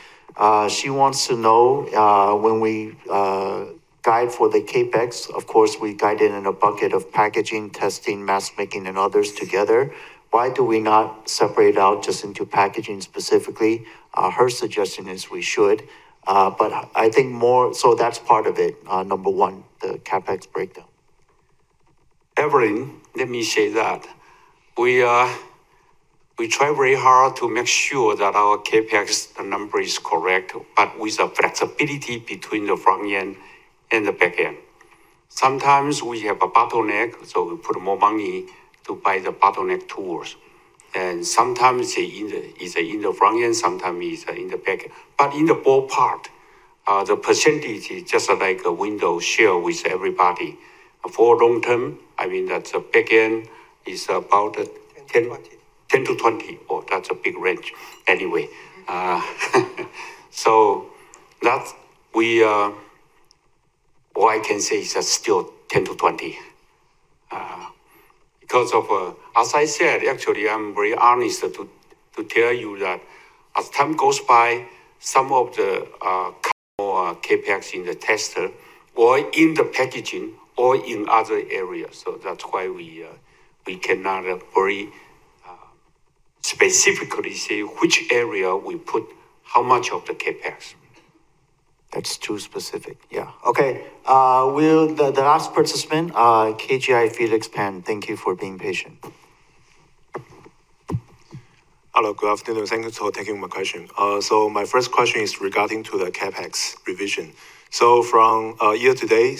She wants to know, when we guide for the CapEx, of course, we guide it in a bucket of packaging, testing, mask making, and others together. Why do we not separate out just into packaging specifically? Her suggestion is we should. That's part of it, number one, the CapEx breakdown. Evelyn, let me say that we try very hard to make sure that our CapEx, the number is correct, with the flexibility between the front end and the back end. Sometimes we have a bottleneck, we put more money to buy the bottleneck tools, sometimes it's in the front end, sometimes it's in the back end. In the ballpark, the percentage is just like a Wendell share with everybody. For long term, that's a back end, is about- 10%-20%. 10%-20%. Oh, that's a big range. Anyway, all I can say is that's still 10%-20%. As I said, actually, I'm very honest to tell you that as time goes by, some of the CapEx in the tester or in the packaging or in other areas. That's why we cannot very specifically say which area we put how much of the CapEx. That's too specific. Yeah. Okay. With the last participant, KGI, Felix Pan. Thank you for being patient. Hello, good afternoon. Thank you for taking my question. My first question is regarding to the CapEx revision. From year to date,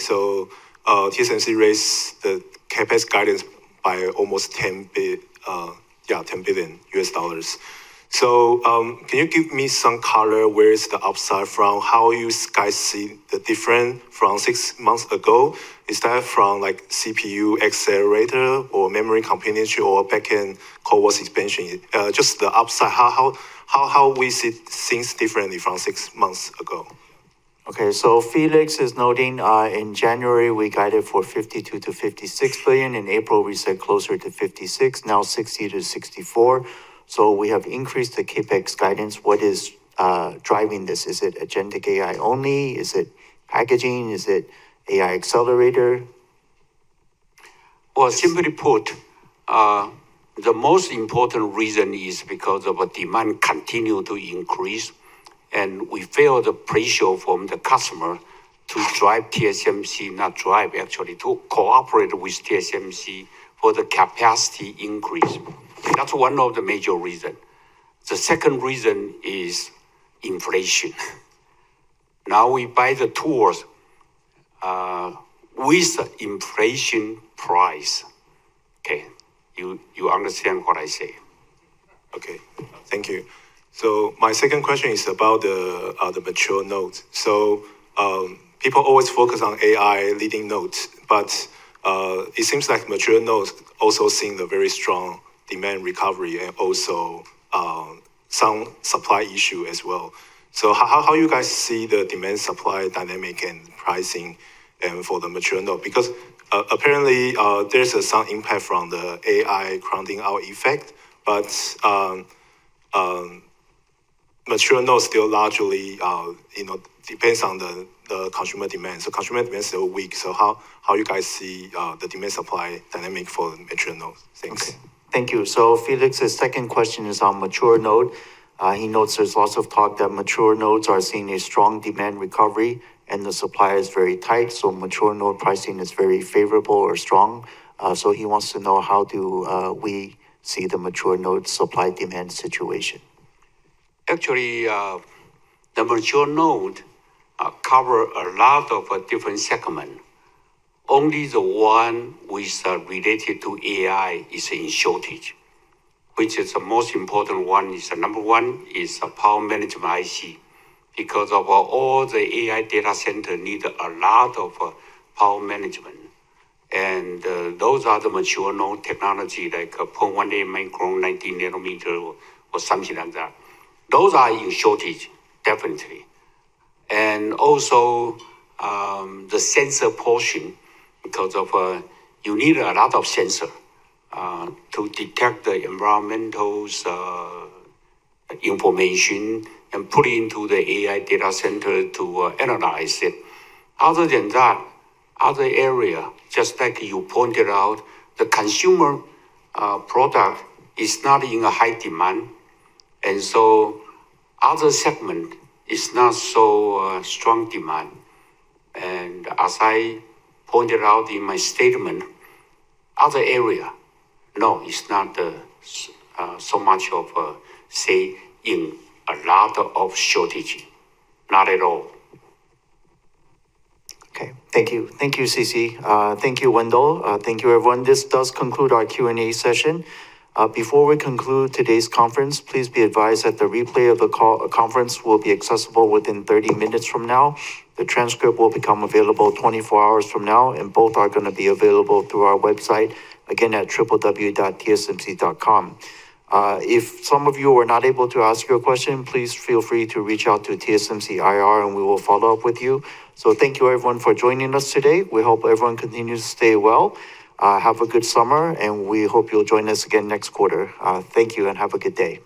TSMC raised the CapEx guidance by almost $10 billion. Can you give me some color where is the upside from how you guys see the difference from six months ago? Is that from CPU accelerator or memory components or back-end CoWoS expansion? Just the upside, how we see things differently from six months ago. Okay. Felix is noting, in January, we guided for $52 billion-$56 billion. In April, we said closer to $56 billion, now $60 billion-$64 billion. We have increased the CapEx guidance. What is driving this? Is it agentic AI only? Is it packaging? Is it AI accelerator? Well, simply put, the most important reason is because of demand continue to increase, and we feel the pressure from the customer to drive TSMC, not drive actually, to cooperate with TSMC for the capacity increase. That's one of the major reason. The second reason is inflation. Now we buy the tools with inflation price. Okay. You understand what I say? Okay. Thank you. My second question is about the mature nodes. People always focus on AI leading nodes, but it seems like mature nodes also seeing the very strong demand recovery and also some supply issue as well. How you guys see the demand supply dynamic and pricing and for the mature node? Because apparently, there's some impact from the AI crowding out effect, but mature nodes still largely depends on the consumer demand. Consumer demand is still weak, how you guys see the demand supply dynamic for mature nodes? Thanks. Thank you. Felix's second question is on mature node. He notes there's lots of talk that mature nodes are seeing a strong demand recovery, and the supply is very tight, mature node pricing is very favorable or strong. He wants to know how do we see the mature node supply demand situation. Actually, the mature node cover a lot of different segment. Only the one which are related to AI is in shortage, which is the most important one, is the number one, is power management IC, because of all the AI data center need a lot of power management. Those are the mature node technology like 0.18 micron, 19 nm, or something like that. Those are in shortage, definitely. Also, the sensor portion, because you need a lot of sensor to detect the environmental information and put into the AI data center to analyze it. Other than that, other area, just like you pointed out, the consumer product is not in a high demand, other segment is not so strong demand. As I pointed out in my statement, other area, no, it's not so much of, say, in a lot of shortage. Not at all. Okay. Thank you. Thank you, C.C. Thank you, Wendell. Thank you, everyone. This does conclude our Q&A session. Before we conclude today's conference, please be advised that the replay of the conference will be accessible within 30 minutes from now. The transcript will become available 24 hours from now, both are going to be available through our website, again, at www.tsmc.com. If some of you were not able to ask your question, please feel free to reach out to TSMC IR, and we will follow up with you. Thank you, everyone, for joining us today. We hope everyone continues to stay well. Have a good summer, and we hope you'll join us again next quarter. Thank you and have a good day